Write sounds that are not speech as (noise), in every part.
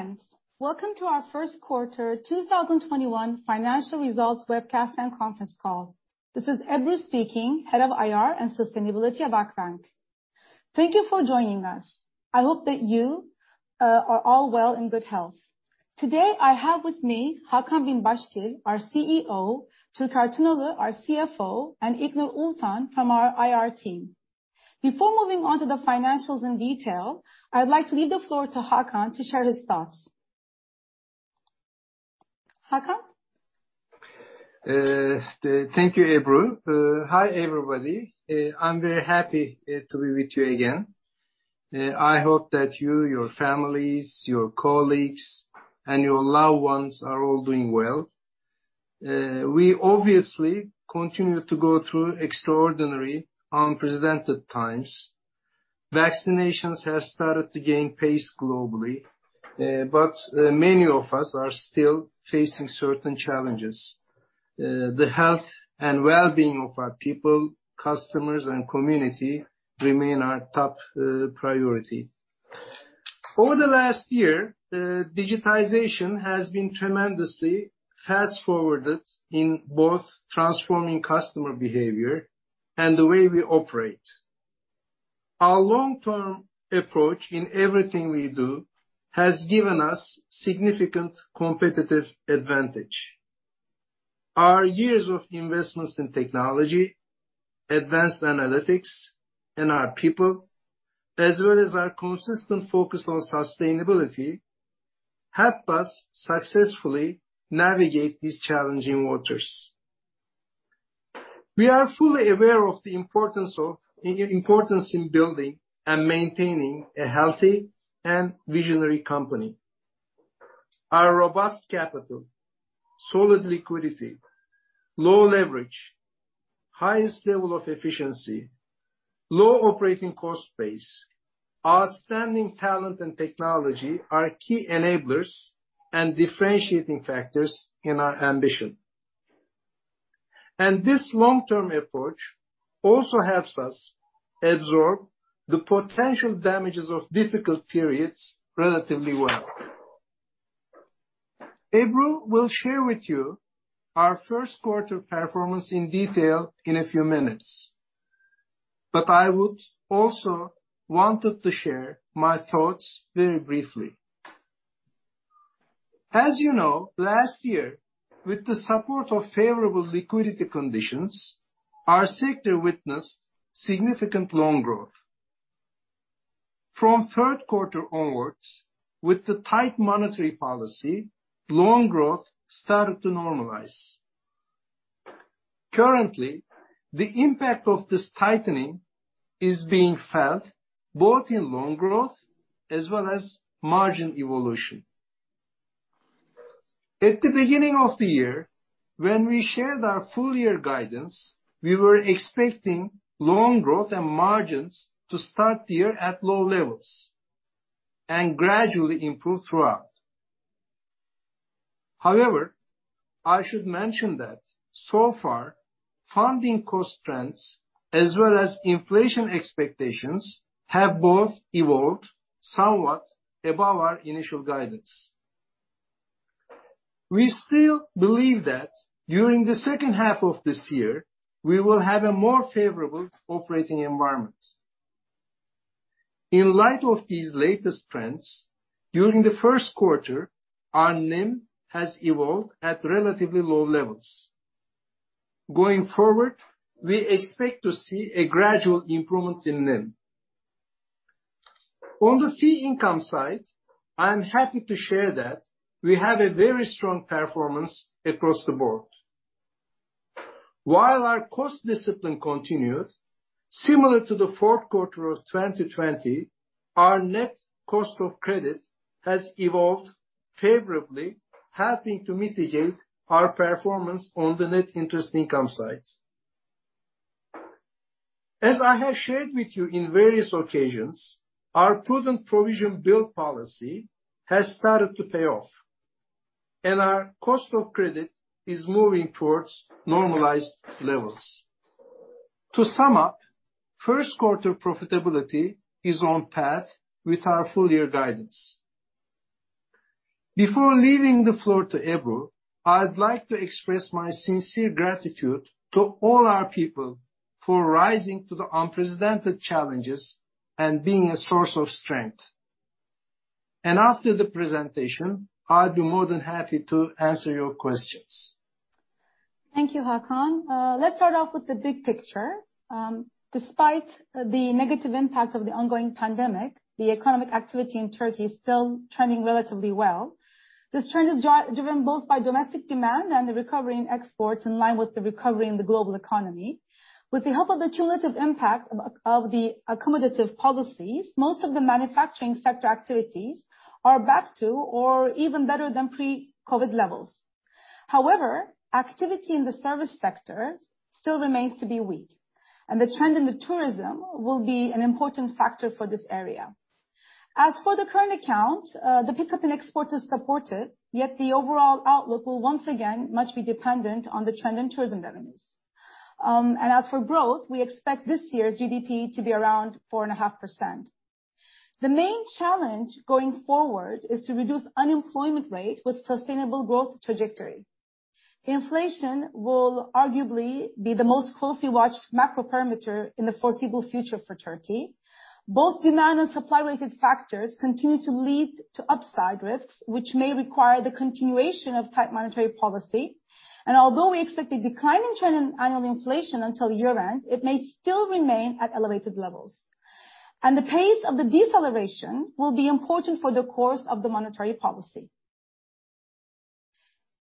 Dear friends, welcome to our First Quarter 2021 Financial Results Webcast and Conference Call. This is Ebru speaking, Head of IR and Sustainability of Akbank. Thank you for joining us. I hope that you are all well in good health. Today, I have with me Hakan Binbaşgil, our CEO, Türker Tunalı, our CFO, and İlknur Kocaer from our IR team. Before moving on to the financials in detail, I'd like to leave the floor to Hakan to share his thoughts. Hakan? Thank you, Ebru. Hi, everybody. I'm very happy to be with you again. I hope that you, your families, your colleagues, and your loved ones are all doing well. We obviously continue to go through extraordinary, unprecedented times. Vaccinations have started to gain pace globally. Many of us are still facing certain challenges. The health and well-being of our people, customers, and community remain our top priority. Over the last year, digitization has been tremendously fast-forwarded in both transforming customer behavior and the way we operate. Our long-term approach in everything we do has given us significant competitive advantage. Our years of investments in technology, advanced analytics, and our people, as well as our consistent focus on sustainability, help us successfully navigate these challenging waters. We are fully aware of the importance in building and maintaining a healthy and visionary company. Our robust capital, solid liquidity, low leverage, highest level of efficiency, low operating cost base, outstanding talent and technology are key enablers and differentiating factors in our ambition. This long-term approach also helps us absorb the potential damages of difficult periods relatively well. Ebru will share with you our first quarter performance in detail in a few minutes. I would also wanted to share my thoughts very briefly. As you know, last year, with the support of favorable liquidity conditions, our sector witnessed significant loan growth. From third quarter onwards, with the tight monetary policy, loan growth started to normalize. Currently, the impact of this tightening is being felt both in loan growth as well as margin evolution. At the beginning of the year, when we shared our full year guidance, we were expecting loan growth and margins to start the year at low levels and gradually improve throughout. However, I should mention that so far, funding cost trends as well as inflation expectations have both evolved somewhat above our initial guidance. We still believe that during the second half of this year, we will have a more favorable operating environment. In light of these latest trends, during the first quarter, our NIM has evolved at relatively low levels. Going forward, we expect to see a gradual improvement in NIM. On the fee income side, I'm happy to share that we have a very strong performance across the board. While our cost discipline continues, similar to the fourth quarter of 2020, our net cost of credit has evolved favorably, helping to mitigate our performance on the net interest income side. As I have shared with you in various occasions, our prudent provision bill policy has started to pay off, and our cost of credit is moving towards normalized levels. To sum up, first quarter profitability is on path with our full year guidance. Before leaving the floor to Ebru, I'd like to express my sincere gratitude to all our people for rising to the unprecedented challenges and being a source of strength. After the presentation, I'll be more than happy to answer your questions. Thank you, Hakan. Let's start off with the big picture. Despite the negative impact of the ongoing pandemic, the economic activity in Turkey is still trending relatively well. This trend is driven both by domestic demand and the recovery in exports in line with the recovery in the global economy. With the help of the cumulative impact of the accommodative policies, most of the manufacturing sector activities are back to or even better than pre-COVID levels. However, activity in the service sector still remains to be weak, and the trend in the tourism will be an important factor for this area. As for the current account, the pickup in exports is supported, yet the overall outlook will once again much be dependent on the trend in tourism revenues. As for growth, we expect this year's GDP to be around 4.5%. The main challenge going forward is to reduce unemployment rate with sustainable growth trajectory. Inflation will arguably be the most closely watched macro parameter in the foreseeable future for Turkey. Both demand and supply-related factors continue to lead to upside risks, which may require the continuation of tight monetary policy. Although we expect a decline in trend and annual inflation until year-end, it may still remain at elevated levels. The pace of the deceleration will be important for the course of the monetary policy.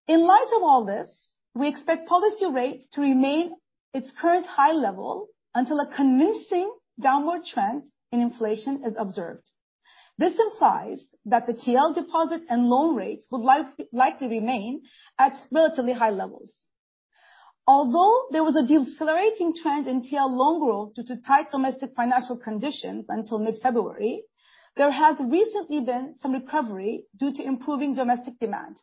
In light of all this, we expect policy rates to remain its current high level until a convincing downward trend in inflation is observed. This implies that the TL deposit and loan rates will likely remain at relatively high levels. Although there was a decelerating trend in TL loan growth due to tight domestic financial conditions until mid-February, there has recently been some recovery due to improving domestic demand.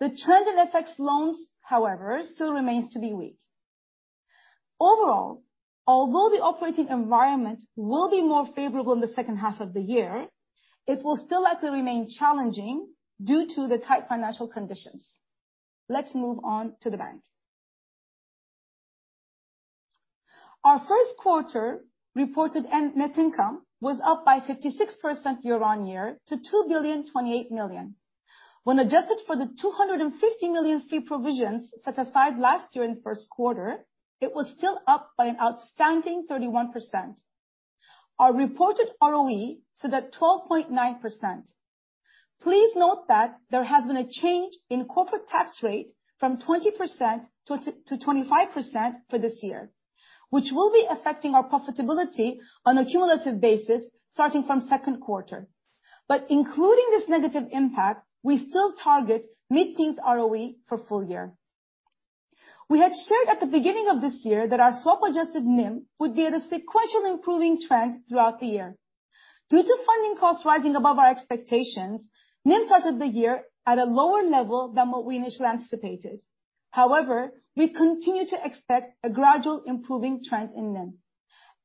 The trend in FX loans, however, still remains to be weak. Overall, although the operating environment will be more favorable in the second half of the year, it will still likely remain challenging due to the tight financial conditions. Let's move on to the bank. Our first quarter reported net income was up by 56% year-on-year to 2.28 billion. When adjusted for the 250 million fee provisions set aside last year in the first quarter, it was still up by an outstanding 31%. Our reported ROE stood at 12.9%. Please note that there has been a change in corporate tax rate from 20% to 25% for this year, which will be affecting our profitability on a cumulative basis starting from second quarter. Including this negative impact, we still target mid-teens ROE for full year. We had shared at the beginning of this year that our swap-adjusted NIM would be at a sequential improving trend throughout the year. Due to funding costs rising above our expectations, NIM started the year at a lower level than what we initially anticipated. However, we continue to expect a gradual improving trend in NIM.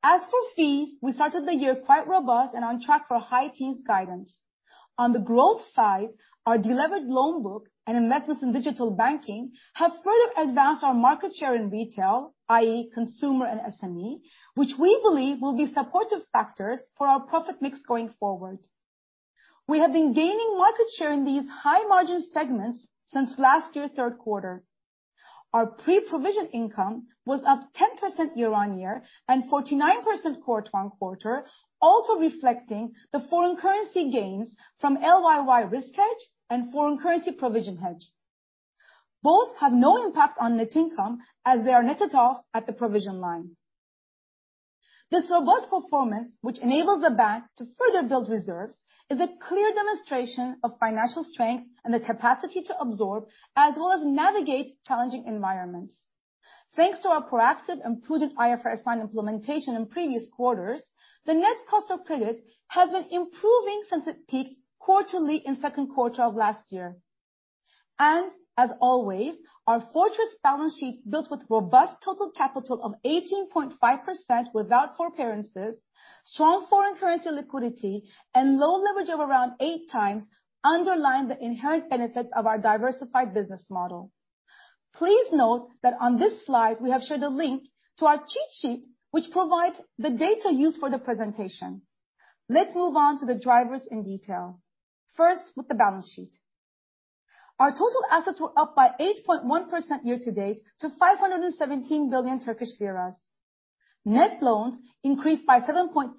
As for fees, we started the year quite robust and on track for high teens guidance. On the growth side, our delivered loan book and investments in digital banking have further advanced our market share in retail, i.e. consumer and SME, which we believe will be supportive factors for our profit mix going forward. We have been gaining market share in these high-margin segments since last year, third quarter. Our pre-provision income was up 10% year-on-year and 49% quarter-on-quarter, also reflecting the foreign currency gains from LYY risk hedge and foreign currency provision hedge. Both have no impact on net income as they are netted off at the provision line. This robust performance, which enables the bank to further build reserves, is a clear demonstration of financial strength and the capacity to absorb as well as navigate challenging environments. Thanks to our proactive and prudent IFRS 9 implementation in previous quarters, the net cost of credit has been improving since it peaked quarterly in second quarter of last year. As always, our fortress balance sheet, built with robust total capital of 18.5% without IFRS 9, strong foreign currency liquidity, and low leverage of around 8x, underline the inherent benefits of our diversified business model. Please note that on this slide, we have shared a link to our cheat sheet, which provides the data used for the presentation. Let's move on to the drivers in detail. First, with the balance sheet. Our total assets were up by 8.1% year-to-date to 517 billion Turkish lira. Net loans increased by 7.3%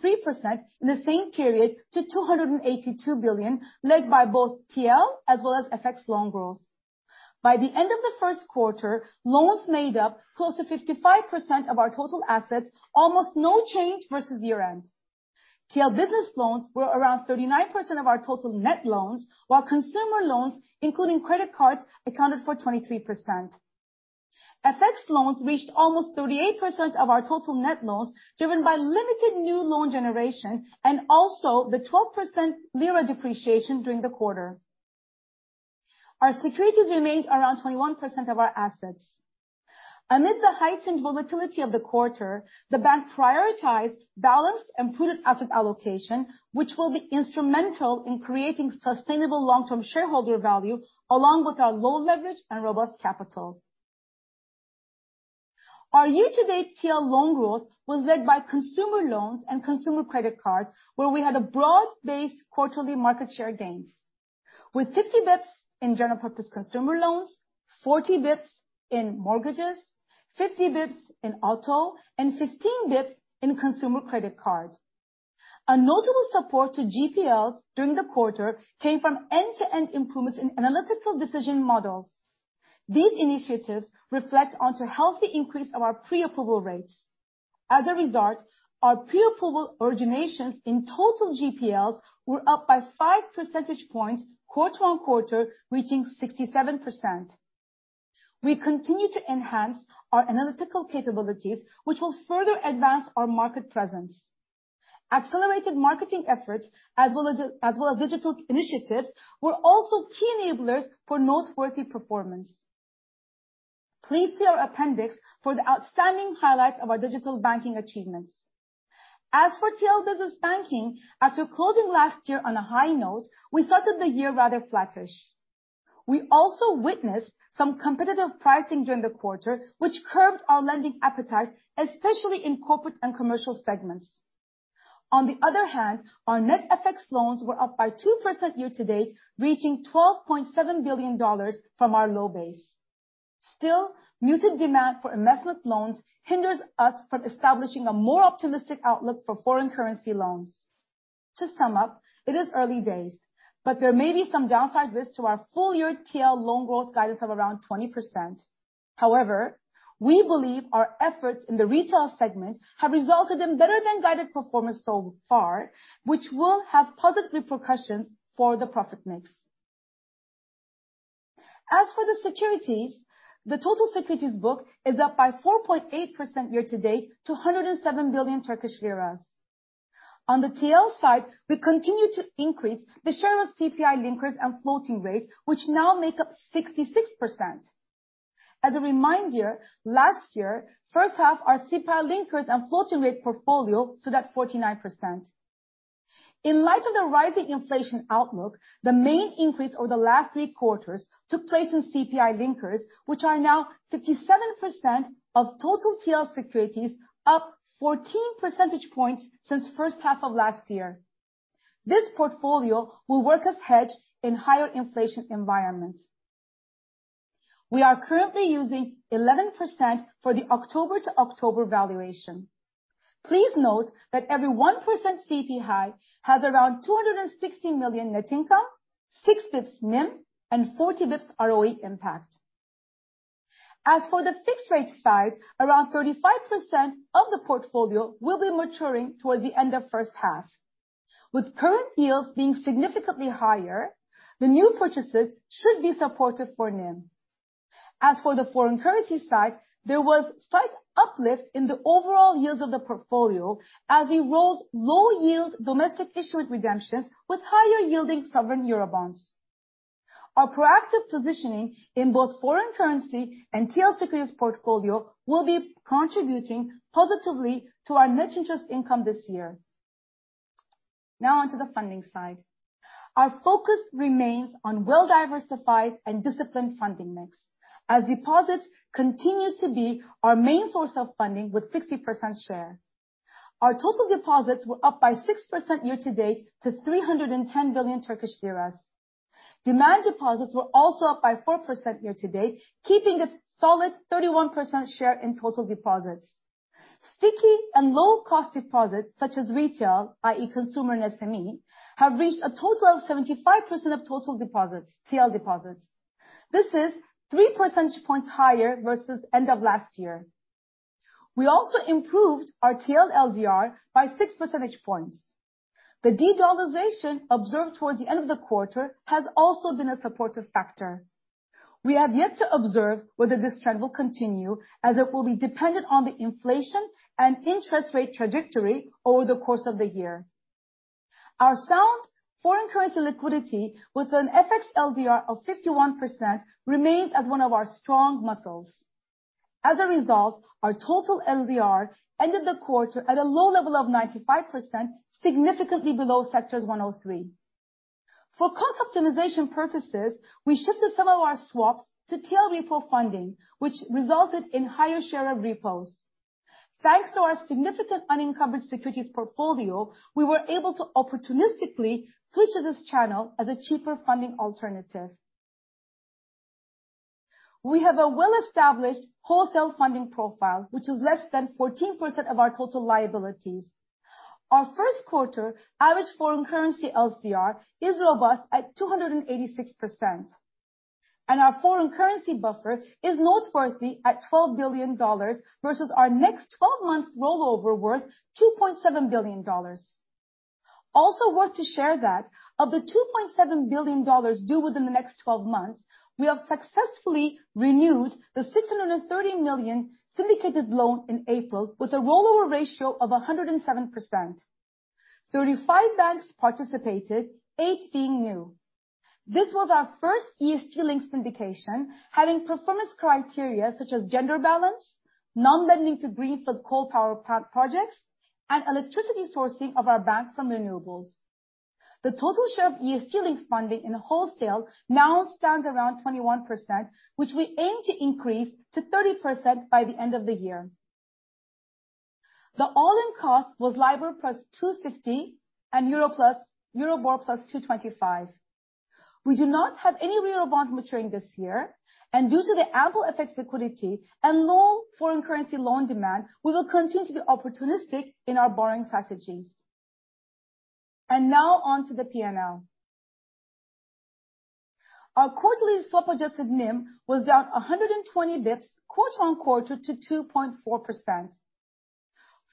in the same period to 282 billion, led by both TL as well as FX loan growth. By the end of the first quarter, loans made up close to 55% of our total assets, almost no change versus year-end. TL business loans were around 39% of our total net loans, while consumer loans, including credit cards, accounted for 23%. FX loans reached almost 38% of our total net loans, driven by limited new loan generation and also the 12% TRY depreciation during the quarter. Our securities remains around 21% of our assets. Amid the heightened volatility of the quarter, the bank prioritized balanced and prudent asset allocation, which will be instrumental in creating sustainable long-term shareholder value, along with our low leverage and robust capital. Our year-to-date TL loan growth was led by consumer loans and consumer credit cards, where we had a broad-based quarterly market share gains with 50 basis points in general purpose consumer loans, 40 basis points in mortgages, 50 basis points in auto, and 15 basis points in consumer credit cards. A notable support to GPLs during the quarter came from end-to-end improvements in analytical decision models. These initiatives reflect onto healthy increase of our pre-approval rates. As a result, our pre-approval originations in total GPLs were up by 5 percentage points quarter-on-quarter, reaching 67%. We continue to enhance our analytical capabilities, which will further advance our market presence. Accelerated marketing efforts, as well as digital initiatives, were also key enablers for noteworthy performance. Please see our appendix for the outstanding highlights of our digital banking achievements. As for TL business banking, after closing last year on a high note, we started the year rather flattish. We also witnessed some competitive pricing during the quarter, which curbed our lending appetite, especially in corporate and commercial segments. On the other hand, our net FX loans were up by 2% year-to-date, reaching 12.7 billion dollars from our low base. Still, muted demand for investment loans hinders us from establishing a more optimistic outlook for foreign currency loans. To sum up, it is early days, but there may be some downside risks to our full year TL loan growth guidance of around 20%. However, we believe our efforts in the retail segment have resulted in better than guided performance so far, which will have positive repercussions for the profit mix. As for the securities, the total securities book is up by 4.8% year-to-date to 107 billion Turkish lira. On the TL side, we continue to increase the share of CPI linkers and floating rates, which now make up 66%. As a reminder, last year, first half our CPI linkers and floating rate portfolio stood at 49%. In light of the rising inflation outlook, the main increase over the last three quarters took place in CPI linkers, which are now 57% of total TL securities, up 14 percentage points since first half of last year. This portfolio will work as hedge in higher inflation environments. We are currently using 11% for the October to October valuation. Please note that every 1% CPI has around 260 million net income, 6 basis points NIM, and 40 basis points ROE impact. As for the fixed rate side, around 35% of the portfolio will be maturing towards the end of first half. With current yields being significantly higher, the new purchases should be supportive for NIM. As for the foreign currency side, there was slight uplift in the overall yields of the portfolio as we rolled low yield domestic issuance redemptions with higher yielding sovereign euro bonds. Our proactive positioning in both foreign currency and TL securities portfolio will be contributing positively to our net interest income this year. Now on to the funding side. Our focus remains on well-diversified and disciplined funding mix, as deposits continue to be our main source of funding with 60% share. Our total deposits were up by 6% year-to-date to 310 billion Turkish lira. Demand deposits were also up by 4% year-to-date, keeping a solid 31% share in total deposits. Sticky and low-cost deposits such as retail, i.e. consumer and SME, have reached a total of 75% of total deposits, TL deposits. This is 3 percentage points higher versus end of last year. We also improved our TL LDR by 6 percentage points. The de-dollarization observed towards the end of the quarter has also been a supportive factor. We have yet to observe whether this trend will continue, as it will be dependent on the inflation and interest rate trajectory over the course of the year. Our sound foreign currency liquidity, with an FX LDR of 51%, remains as one of our strong muscles. As a result, our total LDR ended the quarter at a low level of 95%, significantly below sectors 103. For cost optimization purposes, we shifted some of our swaps to TL repo funding, which resulted in higher share of repos. Thanks to our significant unencumbered securities portfolio, we were able to opportunistically switch to this channel as a cheaper funding alternative. We have a well-established wholesale funding profile, which is less than 14% of our total liabilities. Our first quarter average foreign currency LCR is robust at 286%. Our foreign currency buffer is noteworthy at $12 billion versus our next 12 months rollover worth $2.7 billion. Worth to share that of the $2.7 billion due within the next 12 months, we have successfully renewed the $630 million syndicated loan in April with a rollover ratio of 107%. 35 banks participated, eight being new. This was our first ESG-linked syndication, having performance criteria such as gender balance, non-lending to greenfield coal power plant projects, and electricity sourcing of our bank from renewables. The total share of ESG-linked funding in wholesale now stands around 21%, which we aim to increase to 30% by the end of the year. The all-in cost was LIBOR 250+ and Euribor 225+. We do not have any eurobonds maturing this year. Due to the ample FX liquidity and low foreign currency loan demand, we will continue to be opportunistic in our borrowing strategies. Now on to the P&L. Our quarterly swap-adjusted NIM was down 120 basis points quarter-on-quarter to 2.4%.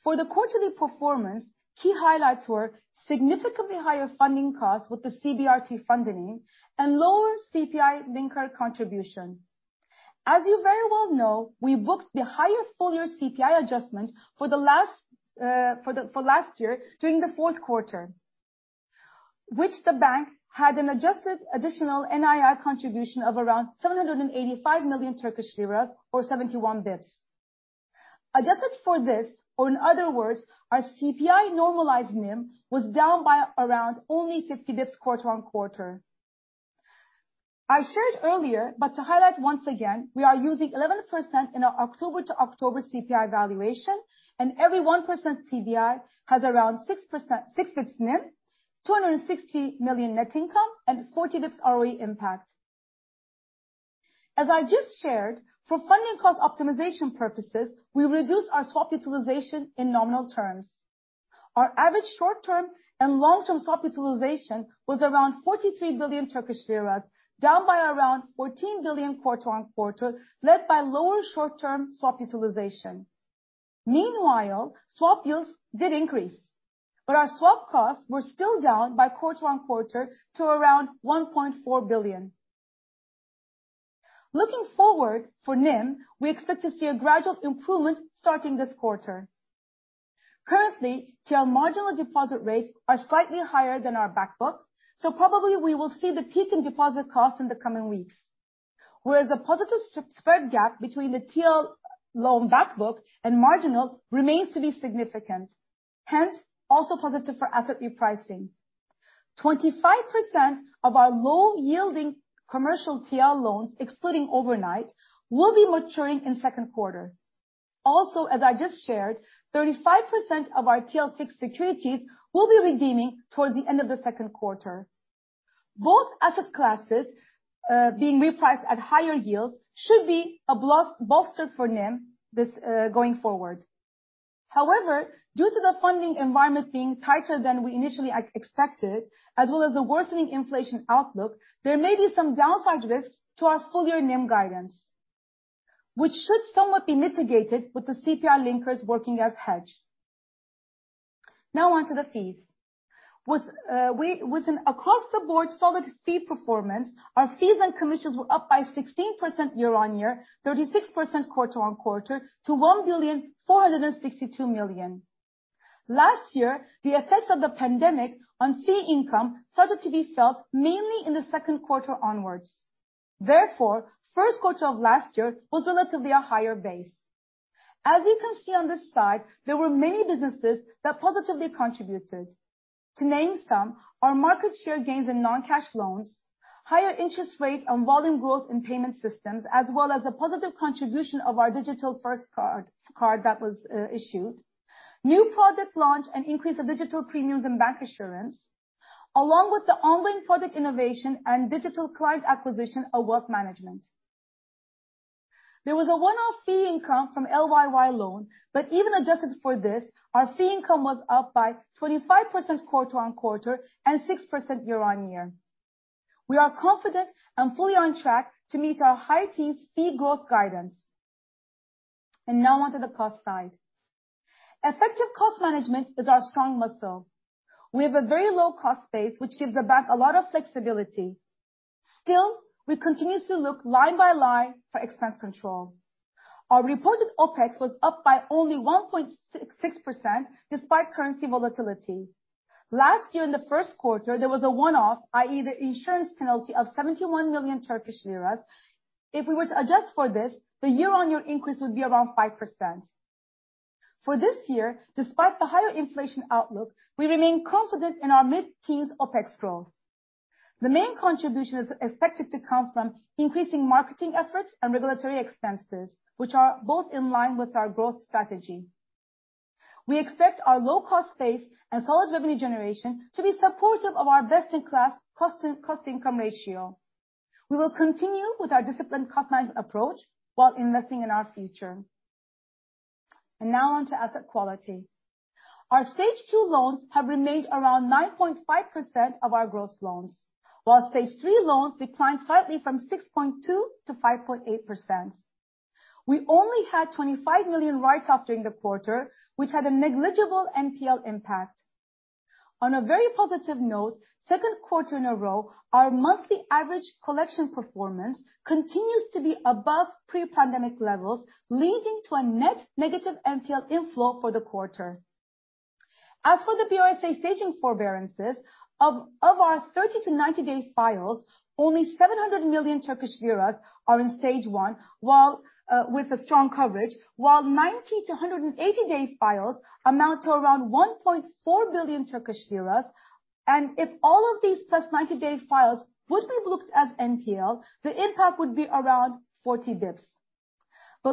For the quarterly performance, key highlights were significantly higher funding costs with the CBRT funding and lower CPI linker contribution. As you very well know, we booked the higher full year CPI adjustment for last year during the fourth quarter, which the bank had an adjusted additional NII contribution of around 785 million Turkish lira or 71 basis points. Adjusted for this, or in other words, our CPI normalized NIM was down by around only 50 basis points quarter-on-quarter. I shared earlier, but to highlight once again, we are using 11% in our October to October CPI valuation, and every 1% CPI has around 6 basis points NIM, 260 million net income, and 40 basis points ROE impact. As I just shared, for funding cost optimization purposes, we reduced our swap utilization in nominal terms. Our average short-term and long-term swap utilization was around 43 billion Turkish lira, down by around 14 billion quarter-on-quarter, led by lower short-term swap utilization. Meanwhile, swap yields did increase, our swap costs were still down by quarter-on-quarter to around 1.4 billion. Looking forward, for NIM, we expect to see a gradual improvement starting this quarter. Currently, TL marginal deposit rates are slightly higher than our back book. Probably we will see the peak in deposit costs in the coming weeks. Whereas a positive spread gap between the TL loan back book and marginal remains to be significant, hence, also positive for asset repricing. 25% of our low-yielding commercial TL loans, excluding overnight, will be maturing in second quarter. Also, as I just shared, 35% of our TL fixed securities will be redeeming towards the end of the second quarter. Both asset classes, being repriced at higher yields should be a bolster for NIM going forward. Due to the funding environment being tighter than we initially expected, as well as the worsening inflation outlook, there may be some downside risks to our full-year NIM guidance, which should somewhat be mitigated with the CPI linkers working as hedge. On to the fees. With an across-the-board solid fee performance, our fees and commissions were up by 16% year-on-year, 36% quarter-on-quarter to 1 billion 462 million. Last year, the effects of the pandemic on fee income started to be felt mainly in the second quarter onwards. First quarter of last year was relatively a higher base. As you can see on this slide, there were many businesses that positively contributed. To name some, our market share gains in non-cash loans, higher interest rate on volume growth in payment systems, as well as the positive contribution of our digital first card that was issued, new product launch and increase of digital premiums in bank insurance, along with the ongoing product innovation and digital client acquisition of wealth management. There was a one-off fee income from LYY loan, but even adjusted for this, our fee income was up by 25% quarter on quarter and 6% year on year. We are confident and fully on track to meet our high teens fee growth guidance. Now on to the cost side. Effective cost management is our strong muscle. We have a very low cost base, which gives the bank a lot of flexibility. Still, we continuously look line by line for expense control. Our reported OpEx was up by only 1.6% despite currency volatility. Last year in the first quarter, there was a one-off, i.e. the insurance penalty of 71 million Turkish lira. If we were to adjust for this, the year-on-year increase would be around 5%. For this year, despite the higher inflation outlook, we remain confident in our mid-teens OpEx growth. The main contribution is expected to come from increasing marketing efforts and regulatory expenses, which are both in line with our growth strategy. We expect our low-cost base and solid revenue generation to be supportive of our best-in-class cost-to-income ratio. We will continue with our disciplined cost management approach while investing in our future. Now on to asset quality. Our Stage 2 loans have remained around 9.5% of our gross loans, while Stage 3 loans declined slightly from 6.2% to 5.8%. We only had 25 million write-off during the quarter, which had a negligible NPL impact. On a very positive note, second quarter in a row, our monthly average collection performance continues to be above pre-pandemic levels, leading to a net negative NPL inflow for the quarter. As for the BRSA staging forbearances, of our 30-90 day files, only 700 million Turkish lira are in Stage 1 with a strong coverage, while 90-180 day files amount to around 1.4 billion Turkish lira. If all of these 90+ day files would be looked as NPL, the impact would be around 40 basis points.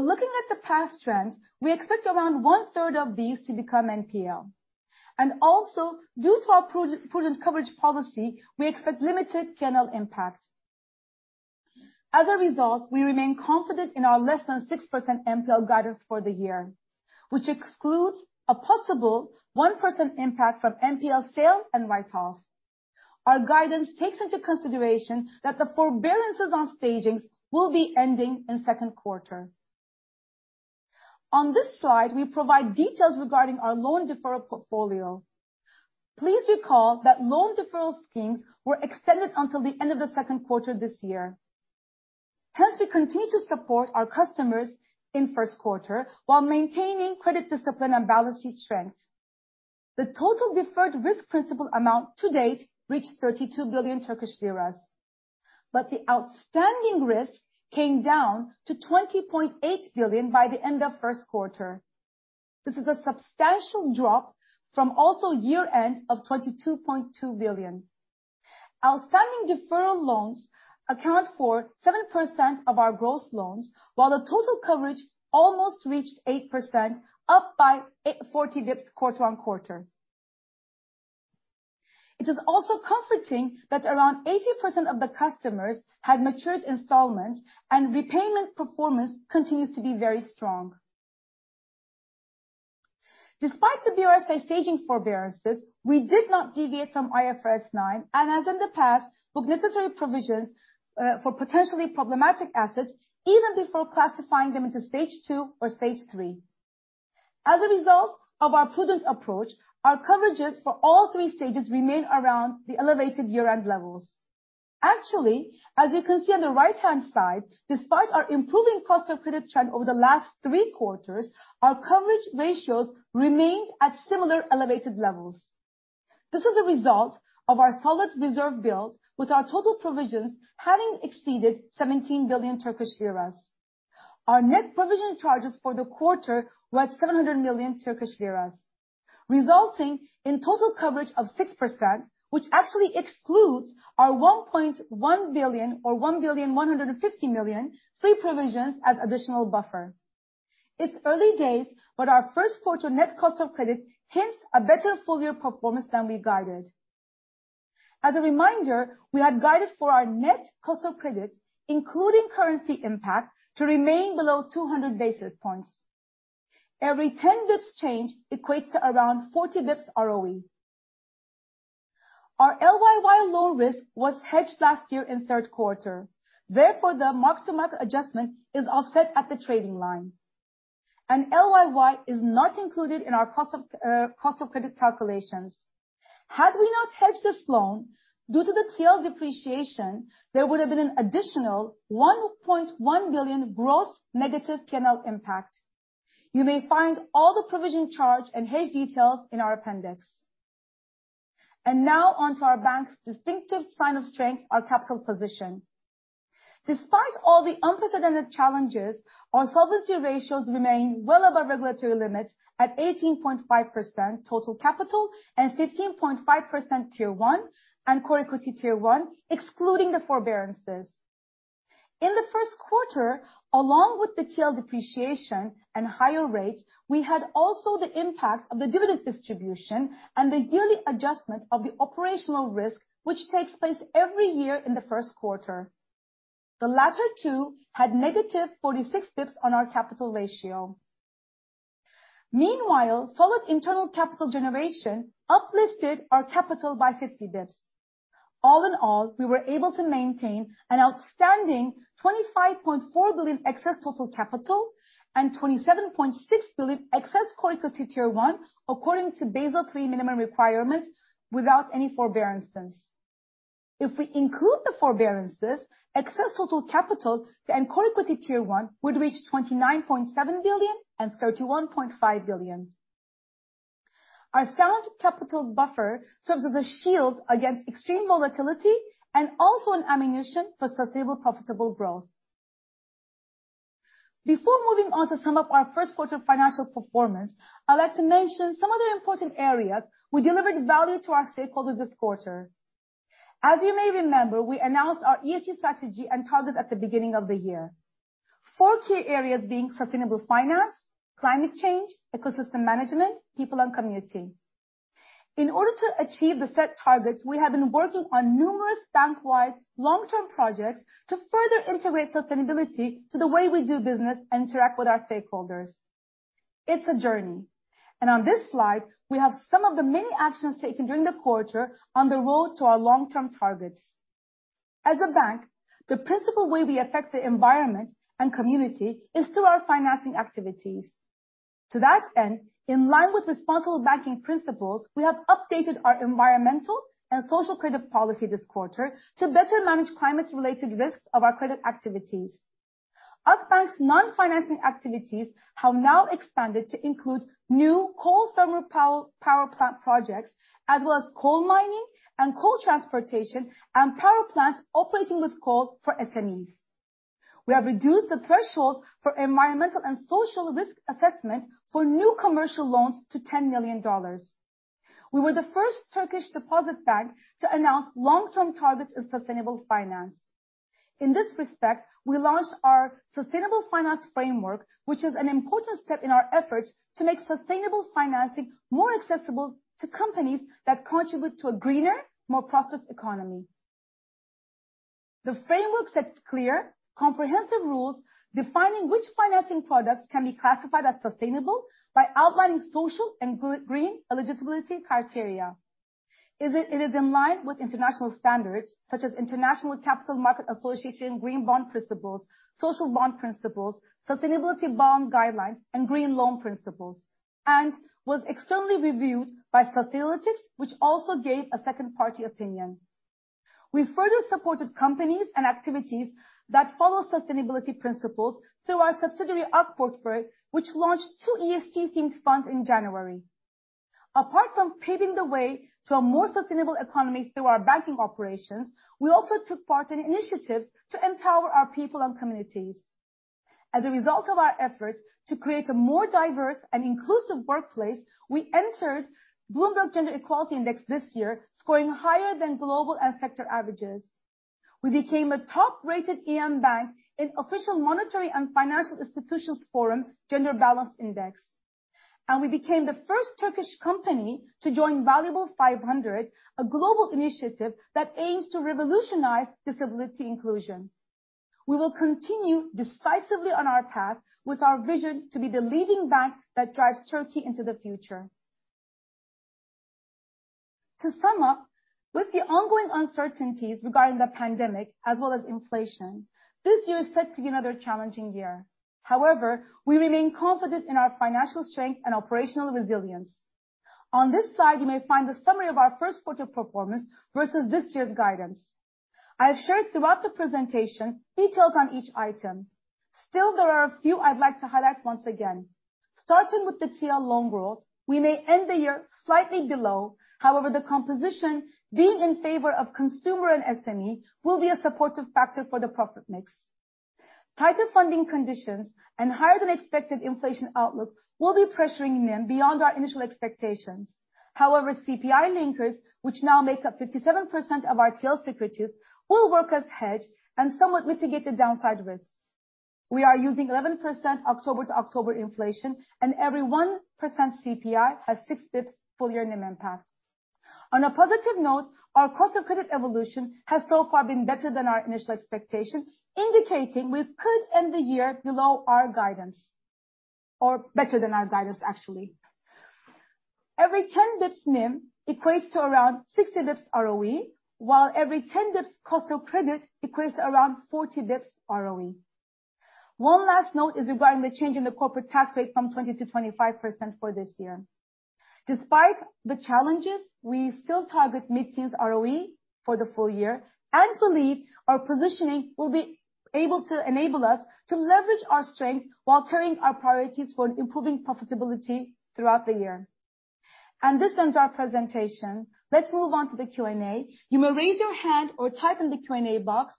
Looking at the past trends, we expect around one-third of these to become NPL. Also, due to our prudent coverage policy, we expect limited capital impact. As a result, we remain confident in our less than 6% NPL guidance for the year, which excludes a possible 1% impact from NPL sale and write-offs. Our guidance takes into consideration that the forbearances on stagings will be ending in second quarter. On this slide, we provide details regarding our loan deferral portfolio. Please recall that loan deferral schemes were extended until the end of the second quarter this year. We continue to support our customers in first quarter while maintaining credit discipline and balance sheet strength. The total deferred risk principal amount to date reached 32 billion Turkish lira. The outstanding risk came down to 20.8 billion by the end of first quarter. This is a substantial drop from also year-end of 22.2 billion. Outstanding deferral loans account for 7% of our gross loans, while the total coverage almost reached 8%, up by 40 basis points quarter-on-quarter. It is also comforting that around 80% of the customers had matured installments, and repayment performance continues to be very strong. Despite the BRSA staging forbearances, we did not deviate from IFRS 9, and as in the past, booked necessary provisions for potentially problematic assets even before classifying them into Stage 2 or Stage 3. As a result of our prudent approach, our coverages for all three stages remain around the elevated year-end levels. Actually, as you can see on the right-hand side, despite our improving cost of credit trend over the last three quarters, our coverage ratios remained at similar elevated levels. This is a result of our solid reserve build with our total provisions having exceeded 17 billion Turkish lira. Our net provision charges for the quarter were at 700 million Turkish lira, resulting in total coverage of 6%, which actually excludes our 1.1 billion or 1.15 billion free provisions as additional buffer. It's early days, but our first quarter net cost of credit hints a better full-year performance than we guided. As a reminder, we had guided for our net cost of credit, including currency impact, to remain below 200 basis points. Every 10 basis points change equates to around 40 basis points ROE. Our LYY loan risk was hedged last year in third quarter. Therefore, the mark-to-market adjustment is offset at the trading line. LYY is not included in our cost of credit calculations. Had we not hedged this loan, due to the TRY depreciation, there would have been an additional 1.1 billion gross negative P&L impact. You may find all the provisioning charge and hedge details in our appendix. Now onto our bank's distinctive sign of strength, our capital position. Despite all the unprecedented challenges, our solvency ratios remain well above regulatory limits at 18.5% total capital and 15.5% Tier 1 and Core Equity Tier 1, excluding the forbearances. In the first quarter, along with the TRY depreciation and higher rates, we had also the impact of the dividend distribution and the yearly adjustment of the operational risk which takes place every year in the first quarter. The latter two had negative 46 basis points on our capital ratio. Meanwhile, solid internal capital generation uplifted our capital by 50 basis points. All in all, we were able to maintain an outstanding 25.4 billion excess total capital and 27.6 billion excess Core Equity Tier 1 according to Basel III minimum requirements without any forbearances. If we include the forbearances, excess total capital and core equity Tier 1 would reach 29.7 billion and 31.5 billion. Our sound capital buffer serves as a shield against extreme volatility and also an ammunition for sustainable, profitable growth. Before moving on to sum up our first quarter financial performance, I'd like to mention some of the important areas we delivered value to our stakeholders this quarter. As you may remember, we announced our ESG strategy and targets at the beginning of the year. Four key areas being sustainable finance, climate change, ecosystem management, people and community. In order to achieve the set targets, we have been working on numerous bank-wide long-term projects to further integrate sustainability to the way we do business and interact with our stakeholders. It's a journey, and on this slide, we have some of the many actions taken during the quarter on the road to our long-term targets. As a bank, the principal way we affect the environment and community is through our financing activities. To that end, in line with Principles for Responsible Banking, we have updated our environmental and social credit policy this quarter to better manage climate-related risks of our credit activities. Akbank's non-financing activities have now expanded to include new coal thermal power plant projects as well as coal mining and coal transportation and power plants operating with coal for SMEs. We have reduced the threshold for environmental and social risk assessment for new commercial loans to TRY 10 million. We were the first Turkish deposit bank to announce long-term targets in sustainable finance. In this respect, we launched our sustainable finance framework, which is an important step in our efforts to make sustainable financing more accessible to companies that contribute to a greener, more prosperous economy. The framework sets clear, comprehensive rules defining which financing products can be classified as sustainable by outlining social and green eligibility criteria. It is in line with international standards such as International Capital Market Association, Green Bond Principles, Social Bond Principles, Sustainability Bond Guidelines, and Green Loan Principles, and was externally reviewed by Sustainalytics, which also gave a second party opinion. We further supported companies and activities that follow sustainability principles through our subsidiary, Ak Portföy, which launched two ESG themed funds in January. Apart from paving the way to a more sustainable economy through our banking operations, we also took part in initiatives to empower our people and communities. As a result of our efforts to create a more diverse and inclusive workplace, we entered Bloomberg Gender-Equality Index this year, scoring higher than global and sector averages. We became a top-rated EM bank in Official Monetary and Financial Institutions Forum Gender Balance Index. We became the first Turkish company to join Valuable 500, a global initiative that aims to revolutionize disability inclusion. We will continue decisively on our path with our vision to be the leading bank that drives Turkey into the future. To sum up, with the ongoing uncertainties regarding the pandemic as well as inflation, this year is set to be another challenging year. However, we remain confident in our financial strength and operational resilience. On this slide, you may find the summary of our first quarter performance versus this year's guidance. I have shared throughout the presentation details on each item. Still, there are a few I'd like to highlight once again. Starting with the TL loan growth, we may end the year slightly below. The composition being in favor of consumer and SME will be a supportive factor for the profit mix. Tighter funding conditions and higher than expected inflation outlook will be pressuring NIM beyond our initial expectations. CPI linkers, which now make up 57% of our TL securities, will work as hedge and somewhat mitigate the downside risks. We are using 11% October to October inflation, every 1% CPI has six basis points full year NIM impact. On a positive note, our cost of credit evolution has so far been better than our initial expectation, indicating we could end the year below our guidance. Better than our guidance, actually. Every 10 basis points NIM equates to around 60 basis points ROE, while every 10 basis points cost of credit equates around 40 basis points ROE. One last note is regarding the change in the corporate tax rate from 20% to 25% for this year. Despite the challenges, we still target mid-teens ROE for the full year and believe our positioning will be able to enable us to leverage our strength while carrying our priorities for improving profitability throughout the year. This ends our presentation. Let's move on to the Q&A. You may raise your hand or type in the Q&A box.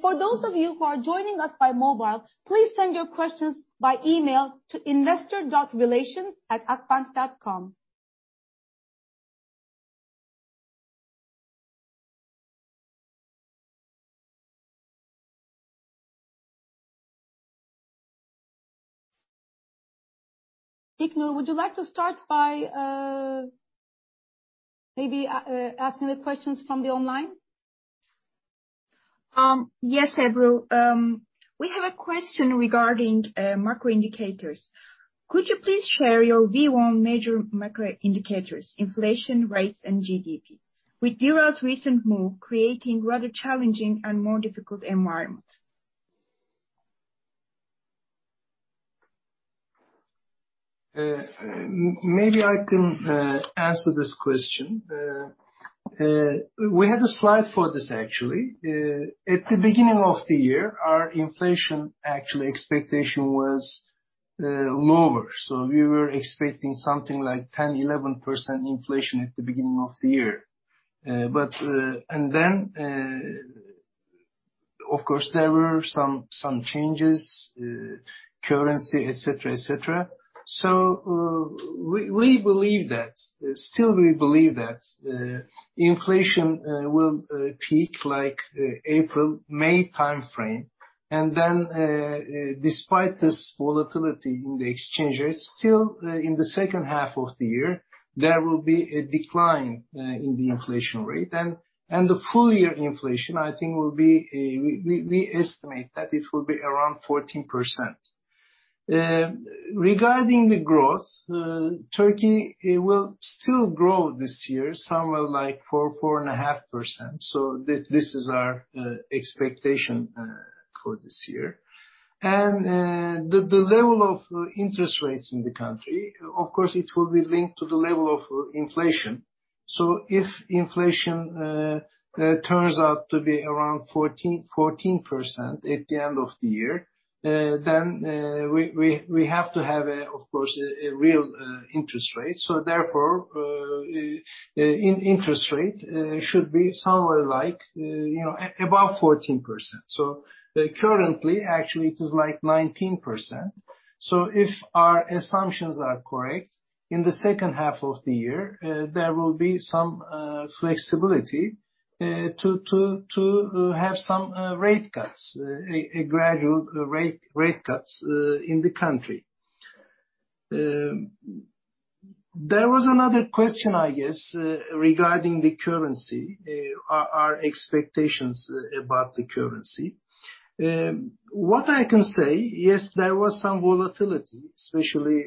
For those of you who are joining us by mobile, please send your questions by email to investor.relations@akbank.com. İlknur, would you like to start by maybe asking the questions from the online? Yes, Ebru. We have a question regarding macro indicators. Could you please share your view on major macro indicators, inflation rates, and GDP with lira's recent move creating rather challenging and more difficult environment? Maybe I can answer this question. We had a slide for this, actually. At the beginning of the year, our inflation actual expectation was lower. We were expecting something like 10%-11% inflation at the beginning of the year. Then, of course, there were some changes, currency, et cetera. We believe that, still we believe that inflation will peak April to May timeframe. Then, despite this volatility in the exchange rates, still in the second half of the year, there will be a decline in the inflation rate. The full year inflation, we estimate that it will be around 14%. Regarding the growth, Turkey will still grow this year, somewhere like 4%-4.5%. This is our expectation for this year. The level of interest rates in the country, of course, it will be linked to the level of inflation. If inflation turns out to be around 14% at the end of the year, then we have to have, of course, a real interest rate. Therefore, interest rate should be somewhere above 14%. Currently, actually it is 19%. If our assumptions are correct, in the second half of the year, there will be some flexibility to have some rate cuts, gradual rate cuts in the country. There was another question, I guess, regarding the currency, our expectations about the currency. What I can say, yes, there was some volatility, especially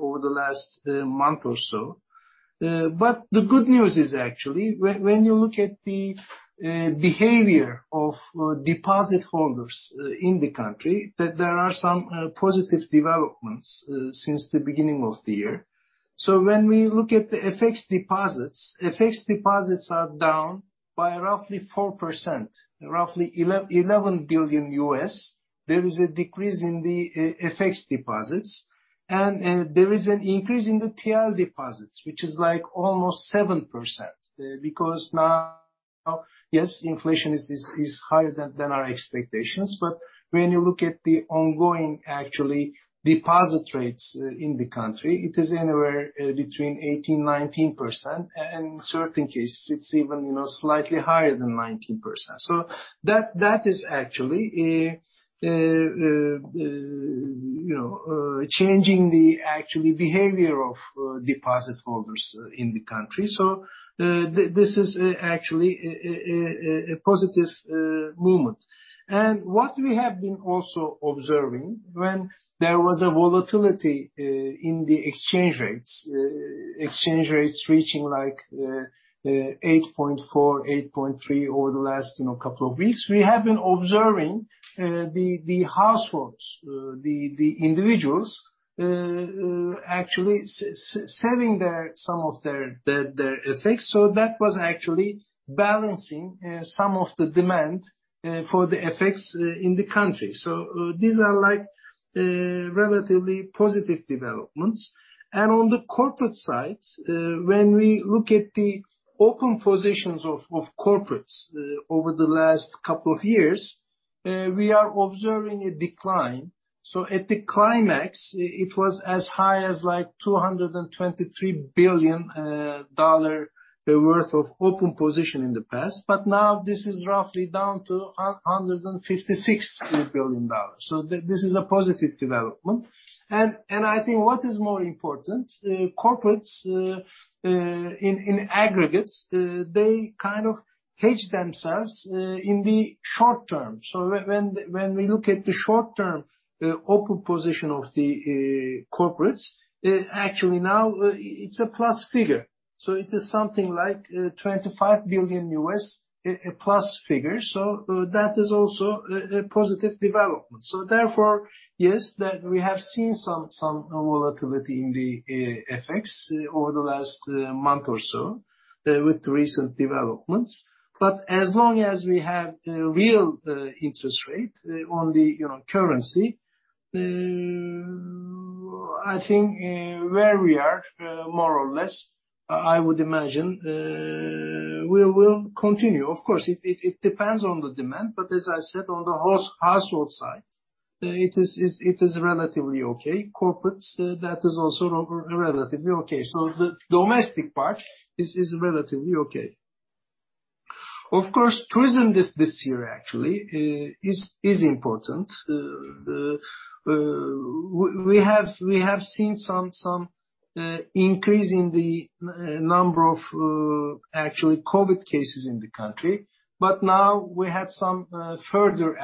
over the last month or so. The good news is actually, when you look at the behavior of deposit holders in the country, that there are some positive developments since the beginning of the year. When we look at the FX deposits, FX deposits are down by roughly 4%, roughly $11 billion. There is a decrease in the FX deposits, and there is an increase in the TL deposits, which is almost 7%. Now, yes, inflation is higher than our expectations, but when you look at the ongoing deposit rates in the country, it is anywhere between 18%-19%, and in certain cases it's even slightly higher than 19%. That is actually changing the behavior of deposit holders in the country. This is actually a positive movement. What we have been also observing, when there was a volatility in the exchange rates, exchange rates reaching 8.4%, 8.3% over the last couple of weeks. We have been observing the households, the individuals actually selling some of their FX. That was actually balancing some of the demand for the FX in the country. These are relatively positive developments. On the corporate side, when we look at the open positions of corporates over the last couple of years, we are observing a decline. At the climax, it was as high as $223 billion worth of open position in the past. Now this is roughly down to $156 billion. This is a positive development. I think what is more important, corporates in aggregates, they kind of hedge themselves in the short term. When we look at the short-term open position of the corporates, actually now it's a plus figure. It is something like $25+ billion figure. That is also a positive development. Therefore, yes, we have seen some volatility in the FX over the last month or so with recent developments. As long as we have real interest rate on the currency, I think where we are, more or less, I would imagine, we will continue. It depends on the demand, as I said, on the household side, it is relatively okay. Corporates, that is also relatively okay. The domestic part is relatively okay. Tourism this year actually is important. We have seen some increase in the number of COVID cases in the country. Now we have some further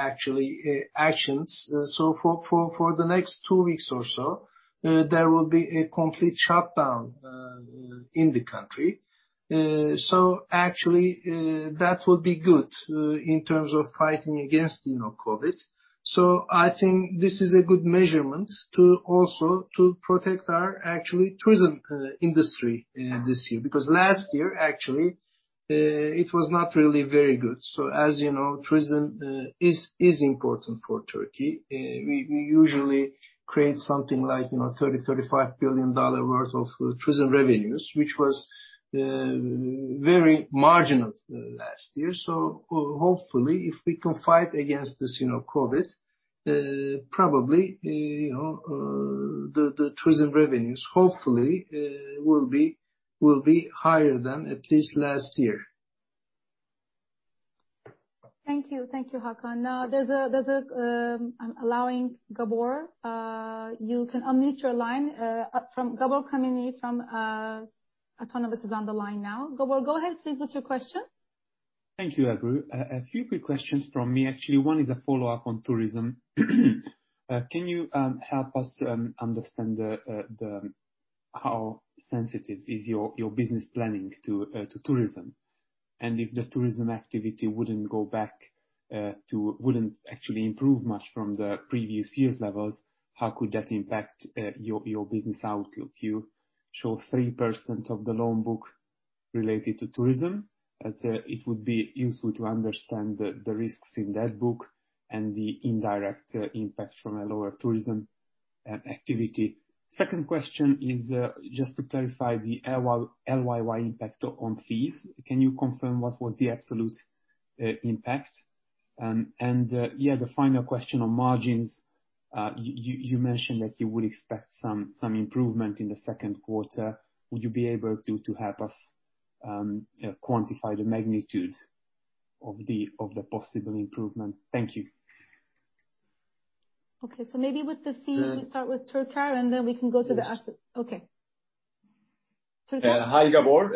actions. For the next two weeks or so, there will be a complete shutdown in the country. Actually, that will be good in terms of fighting against COVID. I think this is a good measurement to also protect our tourism industry this year, because last year, actually, it was not really very good. As you know, tourism is important for Turkey. We usually create something like $30 billion-$35 billion worth of tourism revenues, which was very marginal last year. Hopefully, if we can fight against this COVID, probably, the tourism revenues, hopefully, will be higher than at least last year. Thank you. Thank you, Hakan. Now, I'm allowing Gabor. You can unmute your line. Gabor Kemeny from Autonomous is on the line now. Gabor, go ahead please with your question. Thank you, Ebru. A few quick questions from me. Actually, one is a follow-up on tourism. Can you help us understand how sensitive is your business planning to tourism? If the tourism activity wouldn't actually improve much from the previous years' levels, how could that impact your business outlook? You show 3% of the loan book related to tourism. It would be useful to understand the risks in that book and the indirect impact from a lower tourism activity. Second question is just to clarify the LYY impact on fees. Can you confirm what was the absolute impact? The final question on margins. You mentioned that you would expect some improvement in the second quarter. Would you be able to help us quantify the magnitude of the possible improvement? Thank you. Okay. maybe with the fee, we (crosstalk) start with Türker, and then we can go to the asset. Okay. Türker? Hi, Gabor.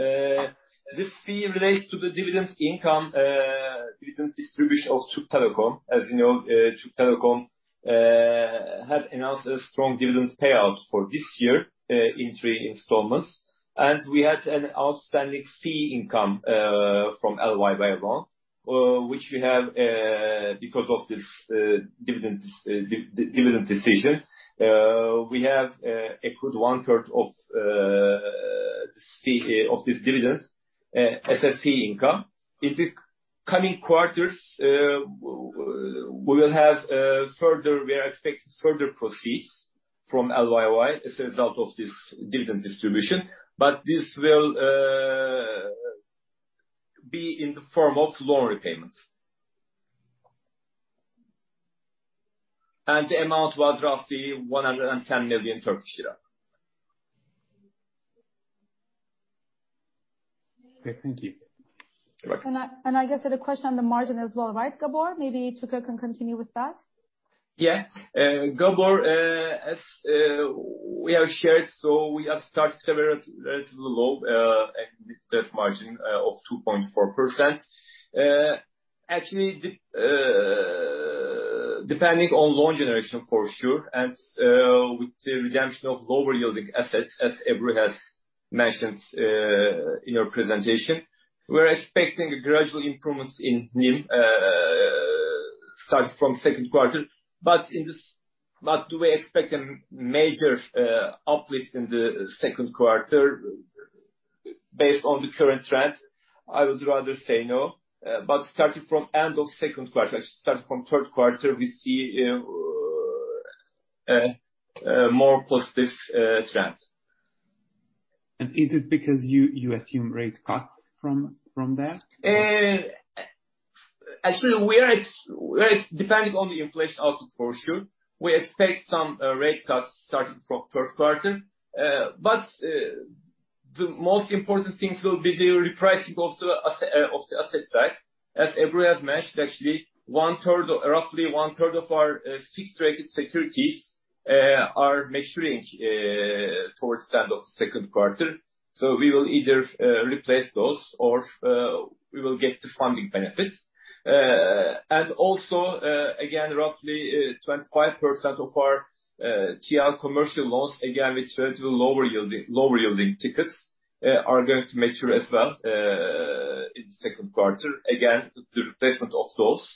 This fee relates to the dividend income, dividend distribution of Türk Telekom. As you know, Türk Telekom has announced a strong dividend payout for this year, in three installments. We had an outstanding fee income from LYY loan, which we have because of this dividend decision. We have a good one-third of this dividend as a fee income. In the coming quarters, we are expecting further proceeds from LYY, as a result of this dividend distribution. This will be in the form of loan repayments. The amount was roughly 110 million Turkish lira. Okay, thank you. You're welcome. (crosstalk) I guess there's a question on the margin as well, right, Gabor? Maybe Türker can continue with that. Gabor, as we have shared, we have started several relatively low net interest margin of 2.4%. Actually, depending on loan generation for sure, and with the redemption of lower yielding assets, as Ebru has mentioned in her presentation, we're expecting a gradual improvement in NIM starting from second quarter. Do we expect a major uplift in the second quarter based on the current trend? I would rather say no. Starting from end of second quarter, starting from third quarter, we see a more positive trend. Is it because you assume rate cuts from there? Actually, we are depending on the inflation output for sure. We expect some rate cuts starting from third quarter. The most important thing will be the repricing of the asset side. As Ebru has mentioned, actually, roughly one-third of our fixed-rated securities are maturing towards the end of second quarter. We will either replace those or we will get the funding benefits. Also, again, roughly 25% of our TL commercial loans, again, with relatively lower yielding tickets, are going to mature as well, in the second quarter. The replacement of those,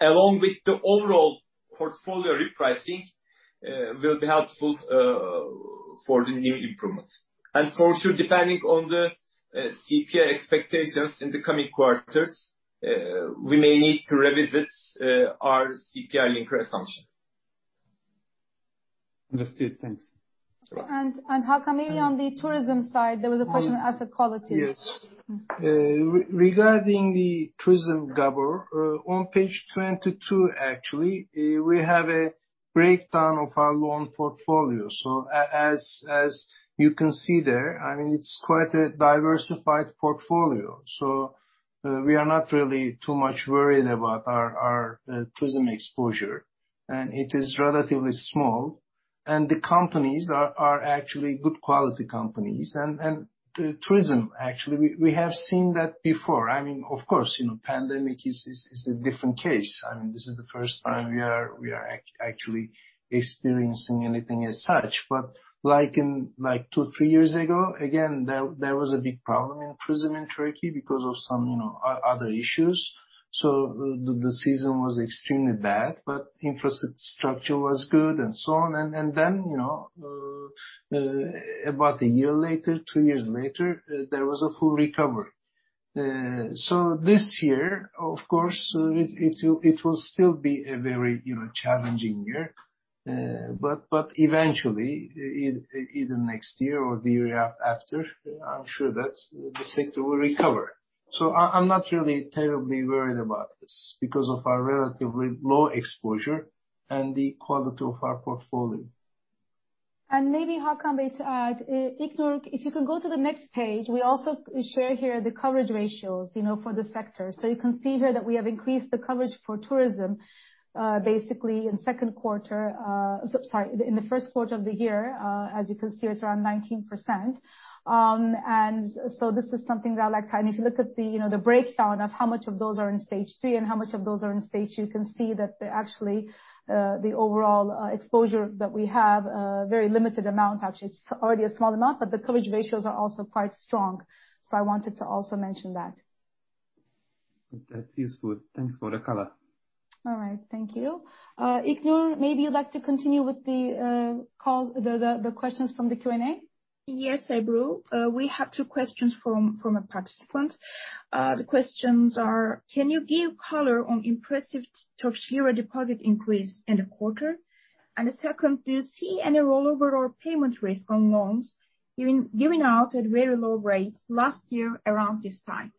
along with the overall portfolio repricing, will be helpful for the NIM improvements. For sure, depending on the CPI expectations in the coming quarters, we may need to revisit our CPI link assumption. Understood. Thanks. Hakan, maybe on the tourism side, there was a question on asset quality. Yes. Regarding the tourism, Gabor, on page 22, actually, we have a breakdown of our loan portfolio. As you can see there, it's quite a diversified portfolio. We are not really too much worried about our tourism exposure. It is relatively small. The companies are actually good quality companies. Tourism, actually, we have seen that before. Of course, pandemic is a different case. This is the first time we are actually experiencing anything as such. Two, three years ago, again, there was a big problem in tourism in Turkey because of some other issues. The season was extremely bad, but infrastructure was good and so on. About a year later, two years later, there was a full recovery. This year, of course, it will still be a very challenging year. Eventually, either next year or the year after, I'm sure that the sector will recover. I'm not really terribly worried about this because of our relatively low exposure and the quality of our portfolio. Maybe, Hakan, maybe to add. İlknur, if you can go to the next page. We also share here the coverage ratios for the sector. You can see here that we have increased the coverage for tourism, basically in second quarter. Sorry, in the first quarter of the year. As you can see, it's around 19%. This is something that I like to add. If you look at the breakdown of how much of those are in Stage 3 and how much of those are in Stage 2, you can see that actually, the overall exposure that we have, a very limited amount, actually. It's already a small amount, but the coverage ratios are also quite strong. I wanted to also mention that. That is good. Thanks for the color. All right. Thank you. İlknur, maybe you'd like to continue with the questions from the Q&A? Yes, Ebru. We have two questions from a participant. The questions are, can you give color on impressive Turkish lira deposit increase in the quarter? The second, do you see any rollover or payment risk on loans given out at very low rates last year around this time?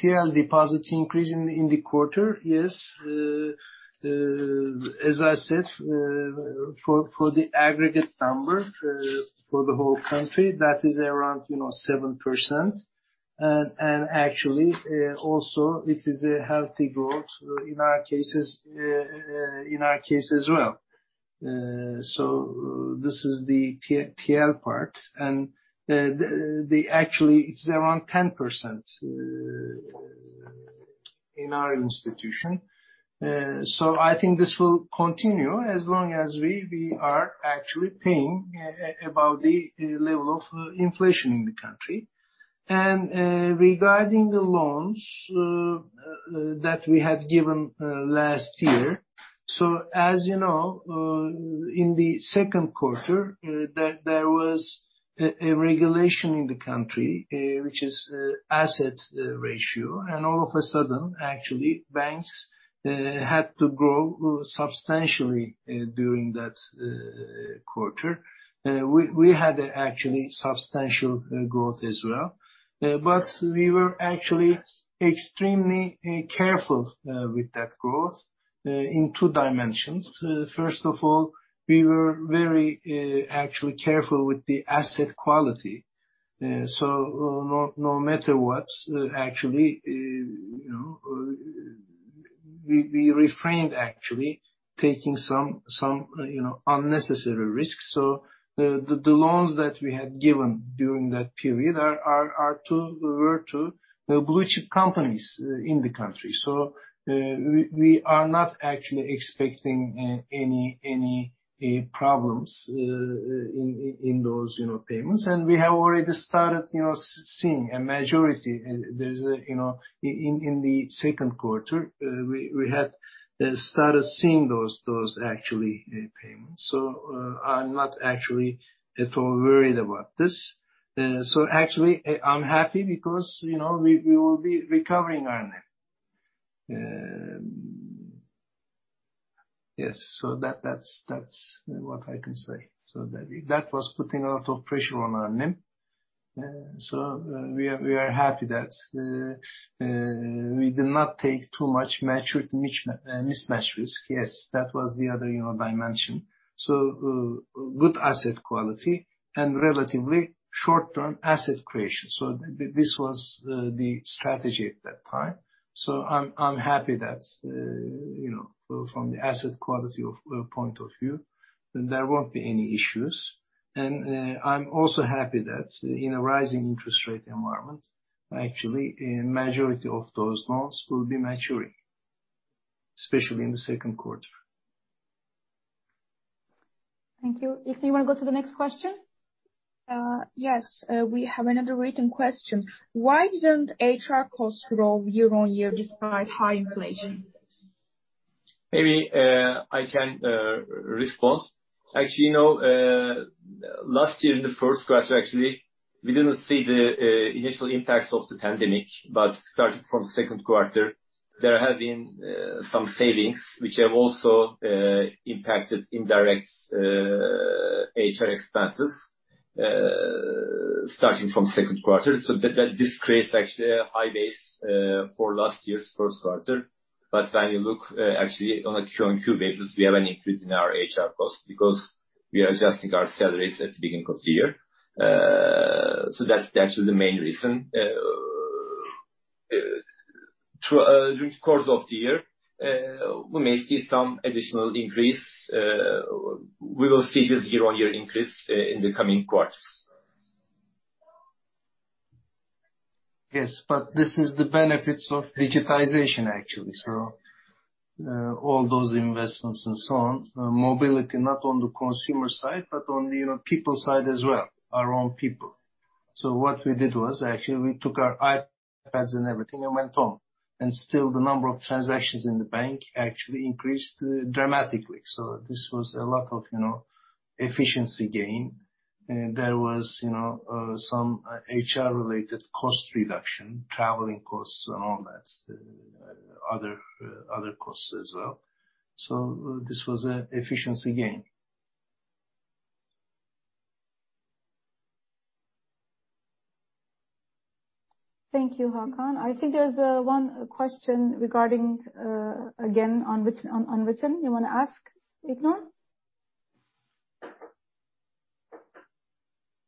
TL deposit increase in the quarter. Yes. As I said, for the aggregate number for the whole country, that is around 7%. Actually, also, this is a healthy growth in our case as well. This is the TL part. Actually, it's around 10% in our institution. I think this will continue as long as we are actually paying above the level of inflation in the country. Regarding the loans that we had given last year. As you know, in the second quarter, there was a regulation in the country, which is asset ratio. All of a sudden, actually, banks had to grow substantially during that quarter. We had actually substantial growth as well. We were actually extremely careful with that growth in two dimensions. First of all, we were very careful with the asset quality. No matter what, we refrained actually taking some unnecessary risks. The loans that we had given during that period were to blue-chip companies in the country. We are not actually expecting any problems in those payments. We have already started seeing a majority. In the second quarter, we had started seeing those actually payments. I'm not at all worried about this. Actually, I'm happy because we will be recovering our NIM. Yes. That's what I can say. That was putting a lot of pressure on our NIM. We are happy that we did not take too much mismatch risk. Yes, that was the other dimension. Good asset quality and relatively short-term asset creation. This was the strategy at that time. I'm happy that from the asset quality point of view, there won't be any issues. I'm also happy that in a rising interest rate environment, actually, a majority of those loans will be maturing, especially in the second quarter. Thank you. If you want to go to the next question. Yes. We have another written question. Why didn't HR costs grow year-on-year despite high inflation? Maybe I can respond. Actually, last year in the first quarter, actually, we didn't see the initial impacts of the pandemic. Starting from second quarter, there have been some savings which have also impacted indirect HR expenses, starting from second quarter. This creates actually a high base for last year's first quarter. When you look actually on a Q-on-Q basis, we have an increase in our HR cost because we are adjusting our salaries at the beginning of the year. That's actually the main reason. During the course of the year, we may see some additional increase. We will see this year-on-year increase in the coming quarters. Yes, this is the benefits of digitization, actually. All those investments and so on. Mobility not on the consumer side, but on the people side as well, our own people. What we did was, actually, we took our iPads and everything and went home. Still the number of transactions in the bank actually increased dramatically. This was a lot of efficiency gain. There was some HR-related cost reduction, traveling costs and all that, other costs as well. This was an efficiency gain. Thank you, Hakan. I think there's one question regarding, again, on written. You want to ask, İlknur?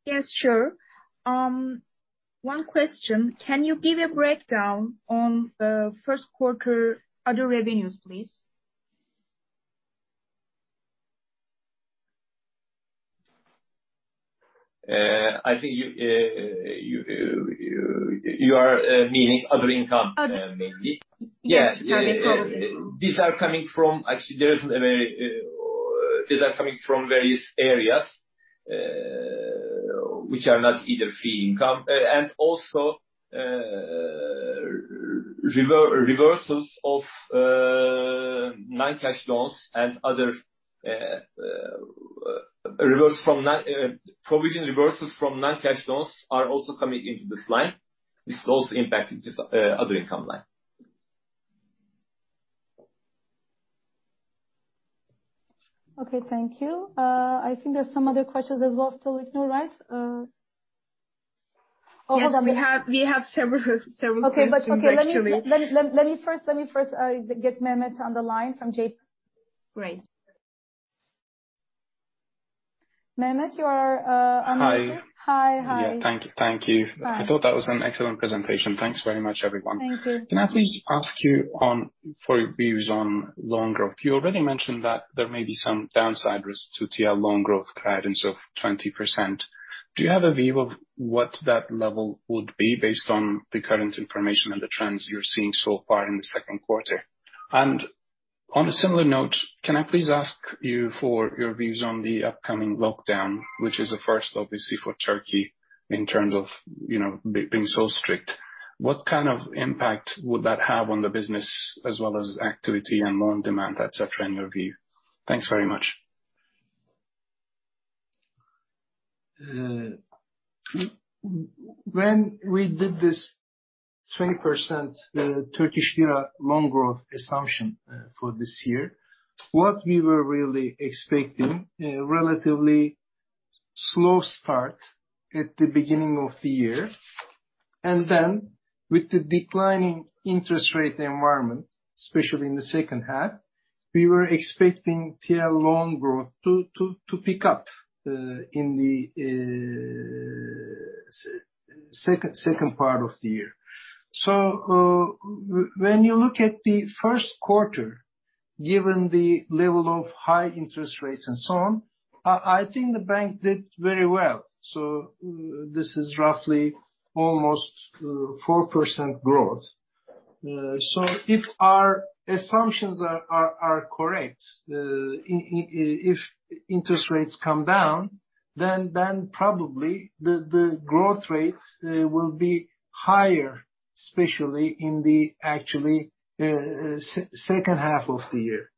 Yes, sure. One question. Can you give a breakdown on first quarter other revenues, please? I think you are meaning other income, maybe. Other. (crosstalk) Yeah. Yes. (crosstalk) Other income. These are coming from various areas which are not either fee income. Also reversals of non-cash loans and other provision reversals from non-cash loans are also coming into this line. This is also impacting this other income. Okay, thank you. I think there's some other questions as well İlknur, right? Yes. We have several questions actually. Okay. Let me first get Mehmet on the line from JPMorgan. Great. Mehmet, you are unmuted. (crosstalk) Hi. Hi. Thank you. Hi. I thought that was an excellent presentation. Thanks very much, everyone. Thank you. Can I please ask you for your views on loan growth? You already mentioned that there may be some downside risks to TL loan growth guidance of 20%. Do you have a view of what that level would be based on the current information and the trends you're seeing so far in the second quarter? On a similar note, can I please ask you for your views on the upcoming lockdown, which is a first, obviously, for Turkey in terms of being so strict. What kind of impact would that have on the business as well as activity and loan demand, et cetera, in your view? Thanks very much. When we did this 20% Turkish lira loan growth assumption for this year, what we were really expecting, a relatively slow start at the beginning of the year, and then with the declining interest rate environment, especially in the second half, we were expecting TL loan growth to pick up in the second part of the year. When you look at the first quarter, given the level of high interest rates and so on, I think the bank did very well. This is roughly almost 4% growth. If our assumptions are correct, if interest rates come down, then probably the growth rates will be higher, especially in the actually second half of the year.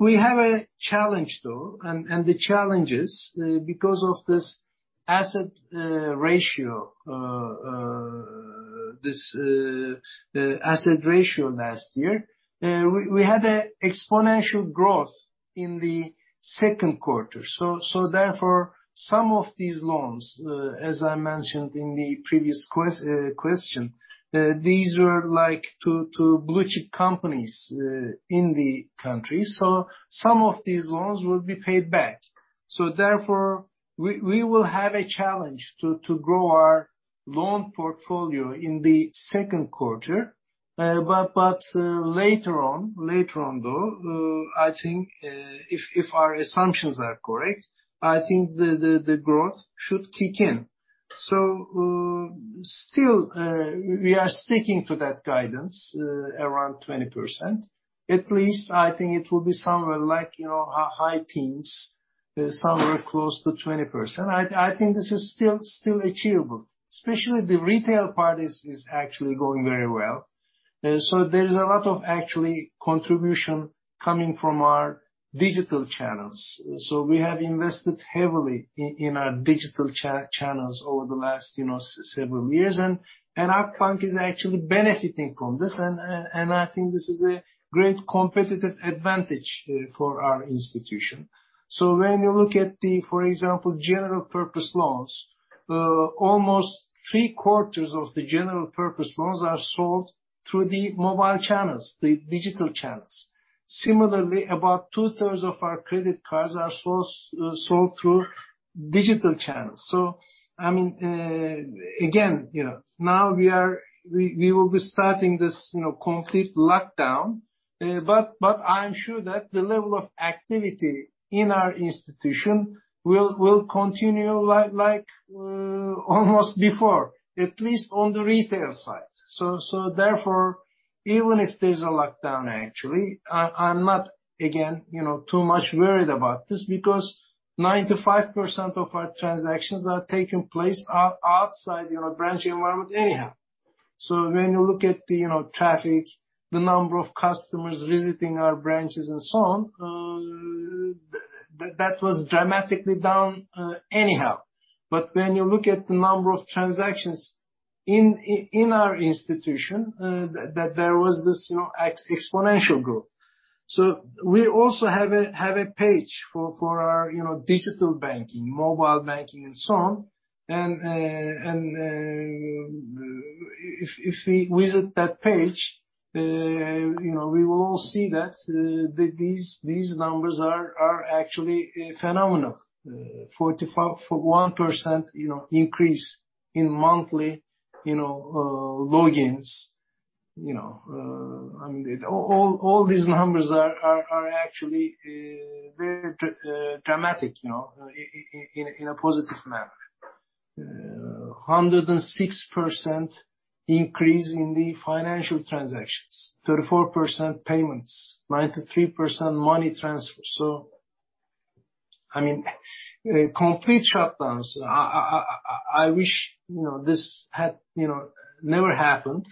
We have a challenge, though, and the challenge is because of this asset ratio last year. We had an exponential growth in the second quarter. Therefore, some of these loans, as I mentioned in the previous question, these were to blue chip companies in the country. Some of these loans will be paid back. Therefore, we will have a challenge to grow our loan portfolio in the second quarter. Later on, though, I think if our assumptions are correct, I think the growth should kick in. Still, we are sticking to that guidance, around 20%. At least I think it will be somewhere like high teens, somewhere close to 20%. I think this is still achievable, especially the retail part is actually going very well. There's a lot of, actually, contribution coming from our digital channels. We have invested heavily in our digital channels over the last several years, and our bank is actually benefiting from this, and I think this is a great competitive advantage for our institution. When you look at the, for example, General Purpose Loans, almost three quarters of the General Purpose Loans are sold through the mobile channels, the digital channels. Similarly, about 2/3 Of our credit cards are sold through digital channels. Again, now we will be starting this complete lockdown. I'm sure that the level of activity in our institution will continue like almost before, at least on the retail side. Therefore, even if there's a lockdown, actually, I'm not, again, too much worried about this because 95% of our transactions are taking place outside our branch environment anyhow. When you look at the traffic, the number of customers visiting our branches and so on, that was dramatically down anyhow. When you look at the number of transactions in our institution, that there was this exponential growth. We also have a page for our digital banking, mobile banking, and so on. If we visit that page, we will all see that these numbers are actually phenomenal. 41% increase in monthly logins. All these numbers are actually very dramatic in a positive manner. 106% increase in the financial transactions, 34% payments, 93% money transfer. Complete shutdowns. I wish this never happened.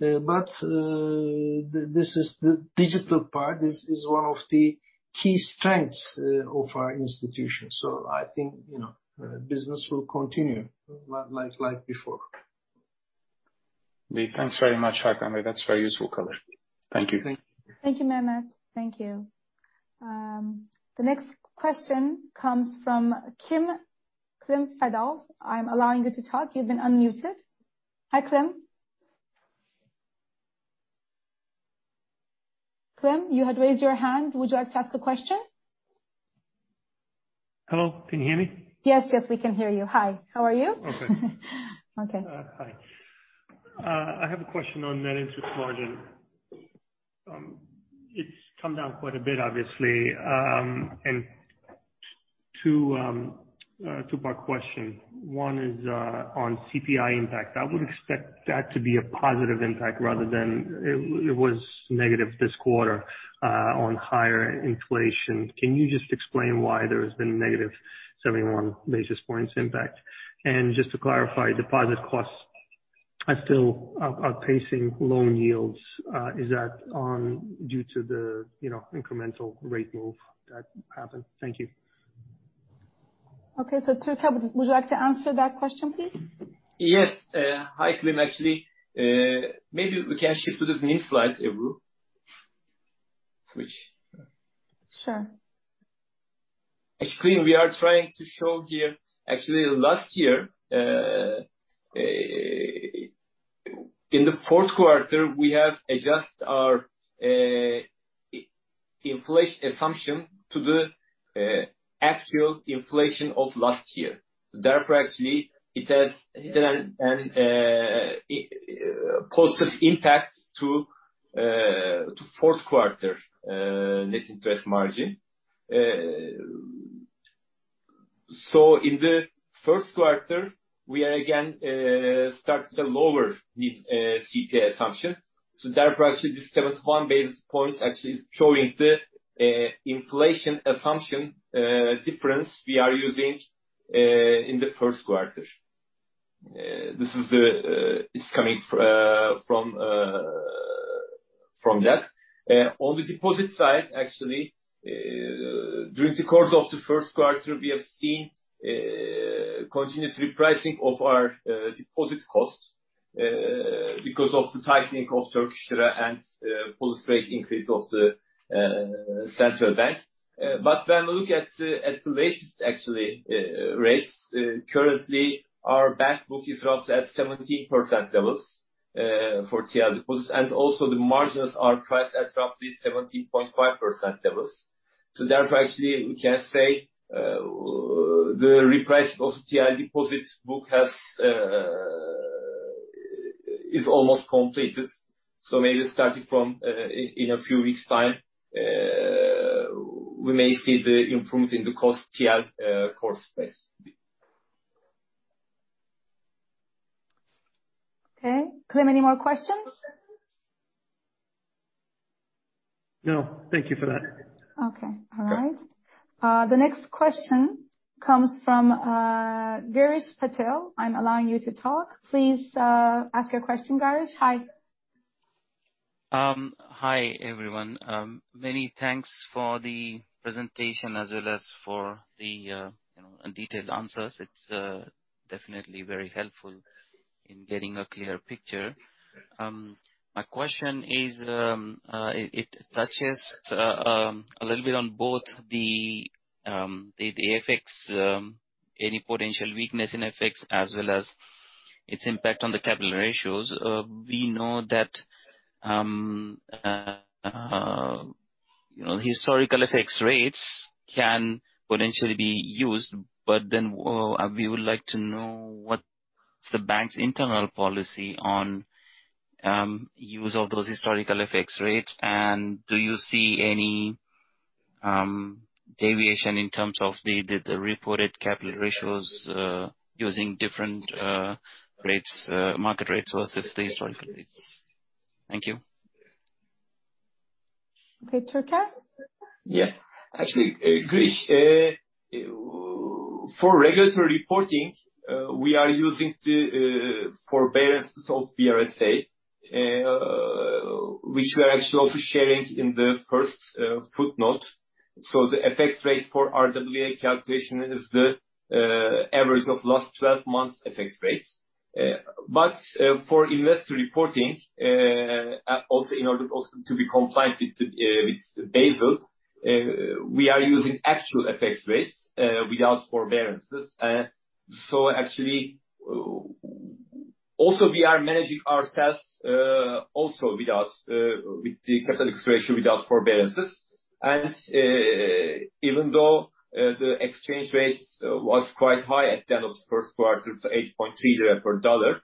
This is the digital part. This is one of the key strengths of our institution. I think business will continue like before. Thanks very much, Hakan. That's very useful color. Thank you. Thank you. Thank you, Mehmet. Thank you. The next question comes from [Kim Klim Fadov]. I am allowing you to talk. You have been unmuted. Hi, [Kim]. [Kim], you had raised your hand. Would you like to ask a question? Hello, can you hear me? Yes, we can hear you. Hi, how are you? Okay. Okay. Hi. I have a question on net interest margin. It's come down quite a bit, obviously. A two-part question. One is on CPI impact. I would expect that to be a positive impact rather than it was negative this quarter on higher inflation. Can you just explain why there has been a -71 basis points impact? Just to clarify, deposit costs are still outpacing loan yields. Is that due to the incremental rate move that happened? Thank you. Okay. Türker, would you like to answer that question, please? Yes. Hi, [Kim]. Maybe we can shift to the next slide, Ebru. Switch. Sure. Actually, we are trying to show here. Actually, last year, in the fourth quarter, we have adjusted our inflation assumption to the actual inflation of last year. Therefore, actually, it has had a positive impact to fourth quarter net interest margin. In the first quarter, we are again starting to lower the CPI assumption. Therefore, actually, this 71 basis points actually is showing the inflation assumption difference we are using in the first quarter. It's coming from that. On the deposit side, actually, during the course of the first quarter, we have seen continuous repricing of our deposit costs because of the tightening of Turkish lira and policy rate increase of the central bank. When we look at the latest rates, currently our bank book is roughly at 17% levels for TL deposits, and also the marginals are priced at roughly 17.5% levels. Therefore, actually, we can say the refresh of the TL deposits book is almost completed. Maybe starting from in a few weeks' time, we may see the improvement in the cost TL cost space. Okay. [Kim], any more questions? No, thank you for that. Okay. All right. The next question comes from [Girish Patel]. I'm allowing you to talk. Please ask your question, [Girish]. Hi. Hi, everyone. Many thanks for the presentation as well as for the detailed answers. It's definitely very helpful in getting a clearer picture. My question touches a little bit on both the FX, any potential weakness in FX as well as its impact on the capital ratios. We know that historical FX rates can potentially be used, we would like to know what's the bank's internal policy on use of those historical FX rates. Do you see any deviation in terms of the reported capital ratios using different market rates versus the historical rates? Thank you. Okay, Türker? Actually, [Girish], for regulatory reporting, we are using the forbearances of BRSA, which we are actually also sharing in the first footnote. The FX rate for RWA calculation is the average of last 12 months FX rates. For investor reporting, in order also to be compliant with Basel, we are using actual FX rates without forbearances. We are managing ourselves also with the capital ratio without forbearances. Even though the exchange rate was quite high at the end of the first quarter to TRY 8.3 per dollar,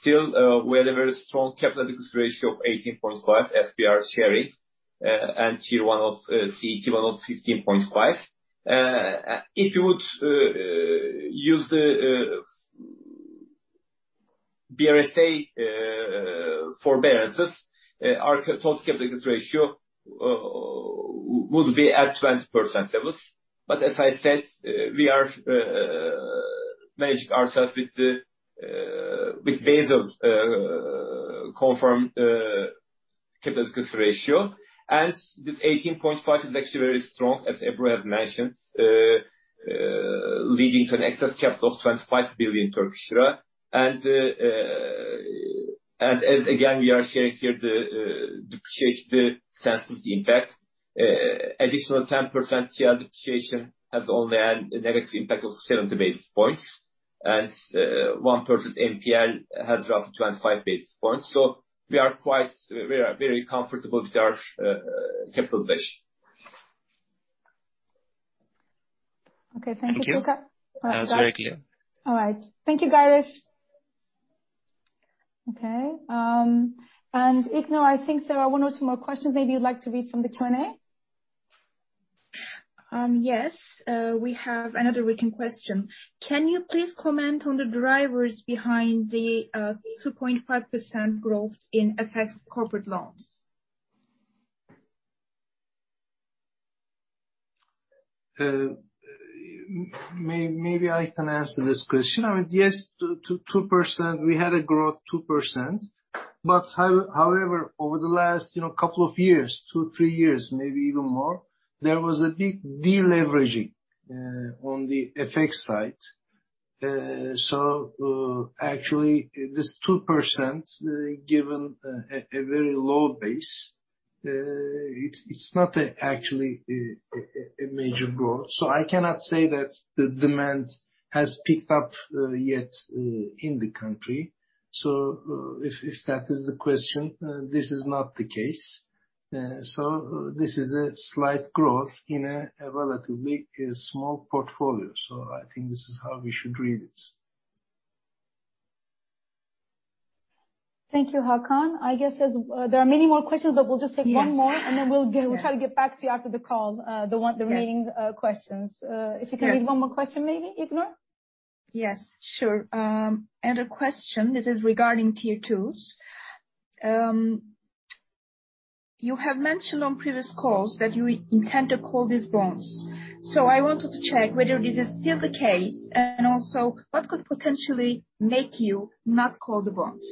still we had a very strong capital ratio of 18.5%, as we are sharing, and CET1 of 15.5%. If you would use the BRSA forbearances, our total capital ratio would be at 20% levels. As I said, we are managing ourselves with Basel's confirmed capital ratio. This 18.5% is actually very strong, as Ebru has mentioned, leading to an excess capital of 25 billion Turkish lira. As, again, we are sharing here the depreciation, the sensitivity impact. Additional 10% TRY depreciation has only had a negative impact of 70 basis points, and 1% NPL has dropped to 25 basis points. We are very comfortable with our capital base. Okay. Thank you, Türker. (crosstalk) Thank you. That was very clear. All right. Thank you, [Girish]. Okay. İlknur, I think there are one or two more questions maybe you'd like to read from the Q&A. Yes. We have another written question. Can you please comment on the drivers behind the 2.5% growth in FX corporate loans? Maybe I can answer this question. Yes, 2%, we had a growth 2%. However, over the last couple of years, two, three years, maybe even more, there was a big deleveraging on the FX side. Actually, this 2%, given a very low base, it's not actually a major growth. I cannot say that the demand has picked up yet in the country. If that is the question, this is not the case. This is a slight growth in a relatively small portfolio. I think this is how we should read it. Thank you, Hakan. I guess there are many more questions, but we'll just take one more question. Yes. We'll try to get back to you after the call, the remaining questions. If you can read one more question, maybe, İlknur? Yes, sure. A question, this is regarding Tier 2s. You have mentioned on previous calls that you intend to call these bonds. I wanted to check whether this is still the case, and also what could potentially make you not call the bonds.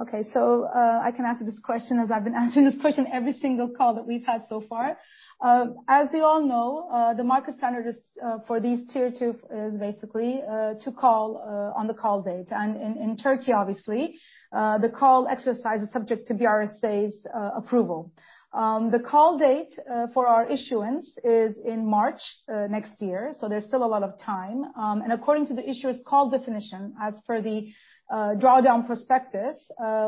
Okay. I can answer this question as I've been answering this question every single call that we've had so far. As you all know, the market standard for these Tier 2 is basically to call on the call date. In Turkey, obviously, the call exercise is subject to BRSA's approval. The call date for our issuance is in March next year, so there's still a lot of time. According to the issuer's call definition, as per the drawdown prospectus,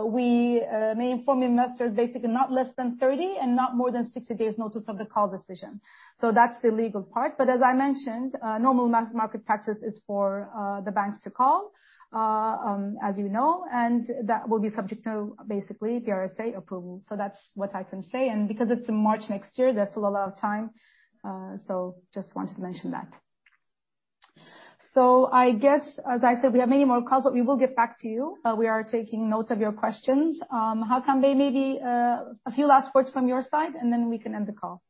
we may inform investors basically not less than 30 and not more than 60 days' notice of the call decision. That's the legal part. As I mentioned, normal market practice is for the banks to call, as you know, and that will be subject to basically BRSA approval. That's what I can say. Because it's in March next year, there's still a lot of time. Just wanted to mention that. I guess, as I said, we have many more calls, but we will get back to you. We are taking notes of your questions. Hakan, maybe a few last words from your side, and then we can end the call.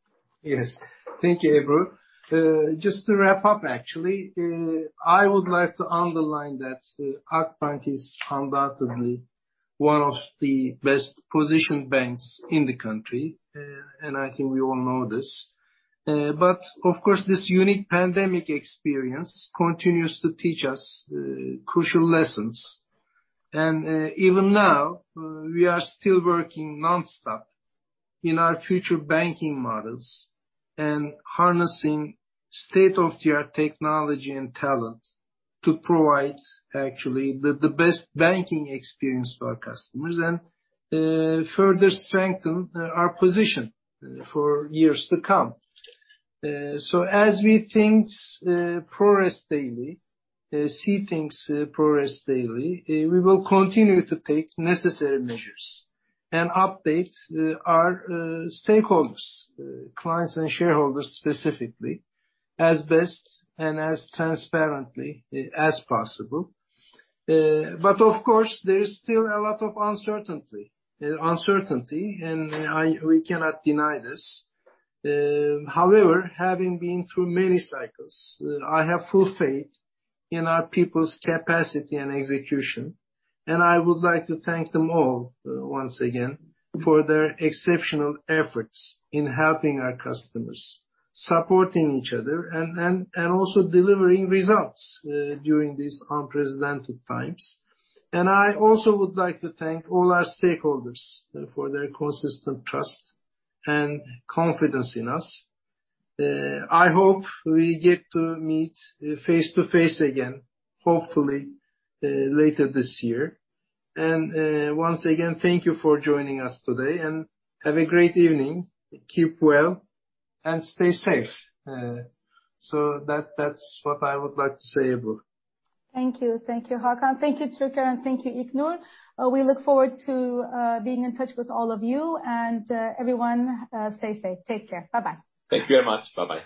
Yes. Thank you, Ebru. Just to wrap up, actually, I would like to underline that Akbank is undoubtedly one of the best positioned banks in the country, and I think we all know this. Of course, this unique pandemic experience continues to teach us crucial lessons. Even now, we are still working nonstop in our future banking models and harnessing state-of-the-art technology and talent to provide, actually, the best banking experience for our customers and further strengthen our position for years to come. As we see things progress daily, we will continue to take necessary measures and update our stakeholders, clients and shareholders specifically, as best and as transparently as possible. Of course, there is still a lot of uncertainty, and we cannot deny this. However, having been through many cycles, I have full faith in our people's capacity and execution, and I would like to thank them all once again for their exceptional efforts in helping our customers, supporting each other, and also delivering results during these unprecedented times. I also would like to thank all our stakeholders for their consistent trust and confidence in us. I hope we get to meet face-to-face again, hopefully later this year. Once again, thank you for joining us today, and have a great evening. Keep well and stay safe. That's what I would like to say, Ebru. Thank you. Thank you, Hakan. Thank you, Türker, and thank you, İlknur. We look forward to being in touch with all of you and everyone, stay safe. Take care. Bye-bye. Thank you very much. Bye-bye.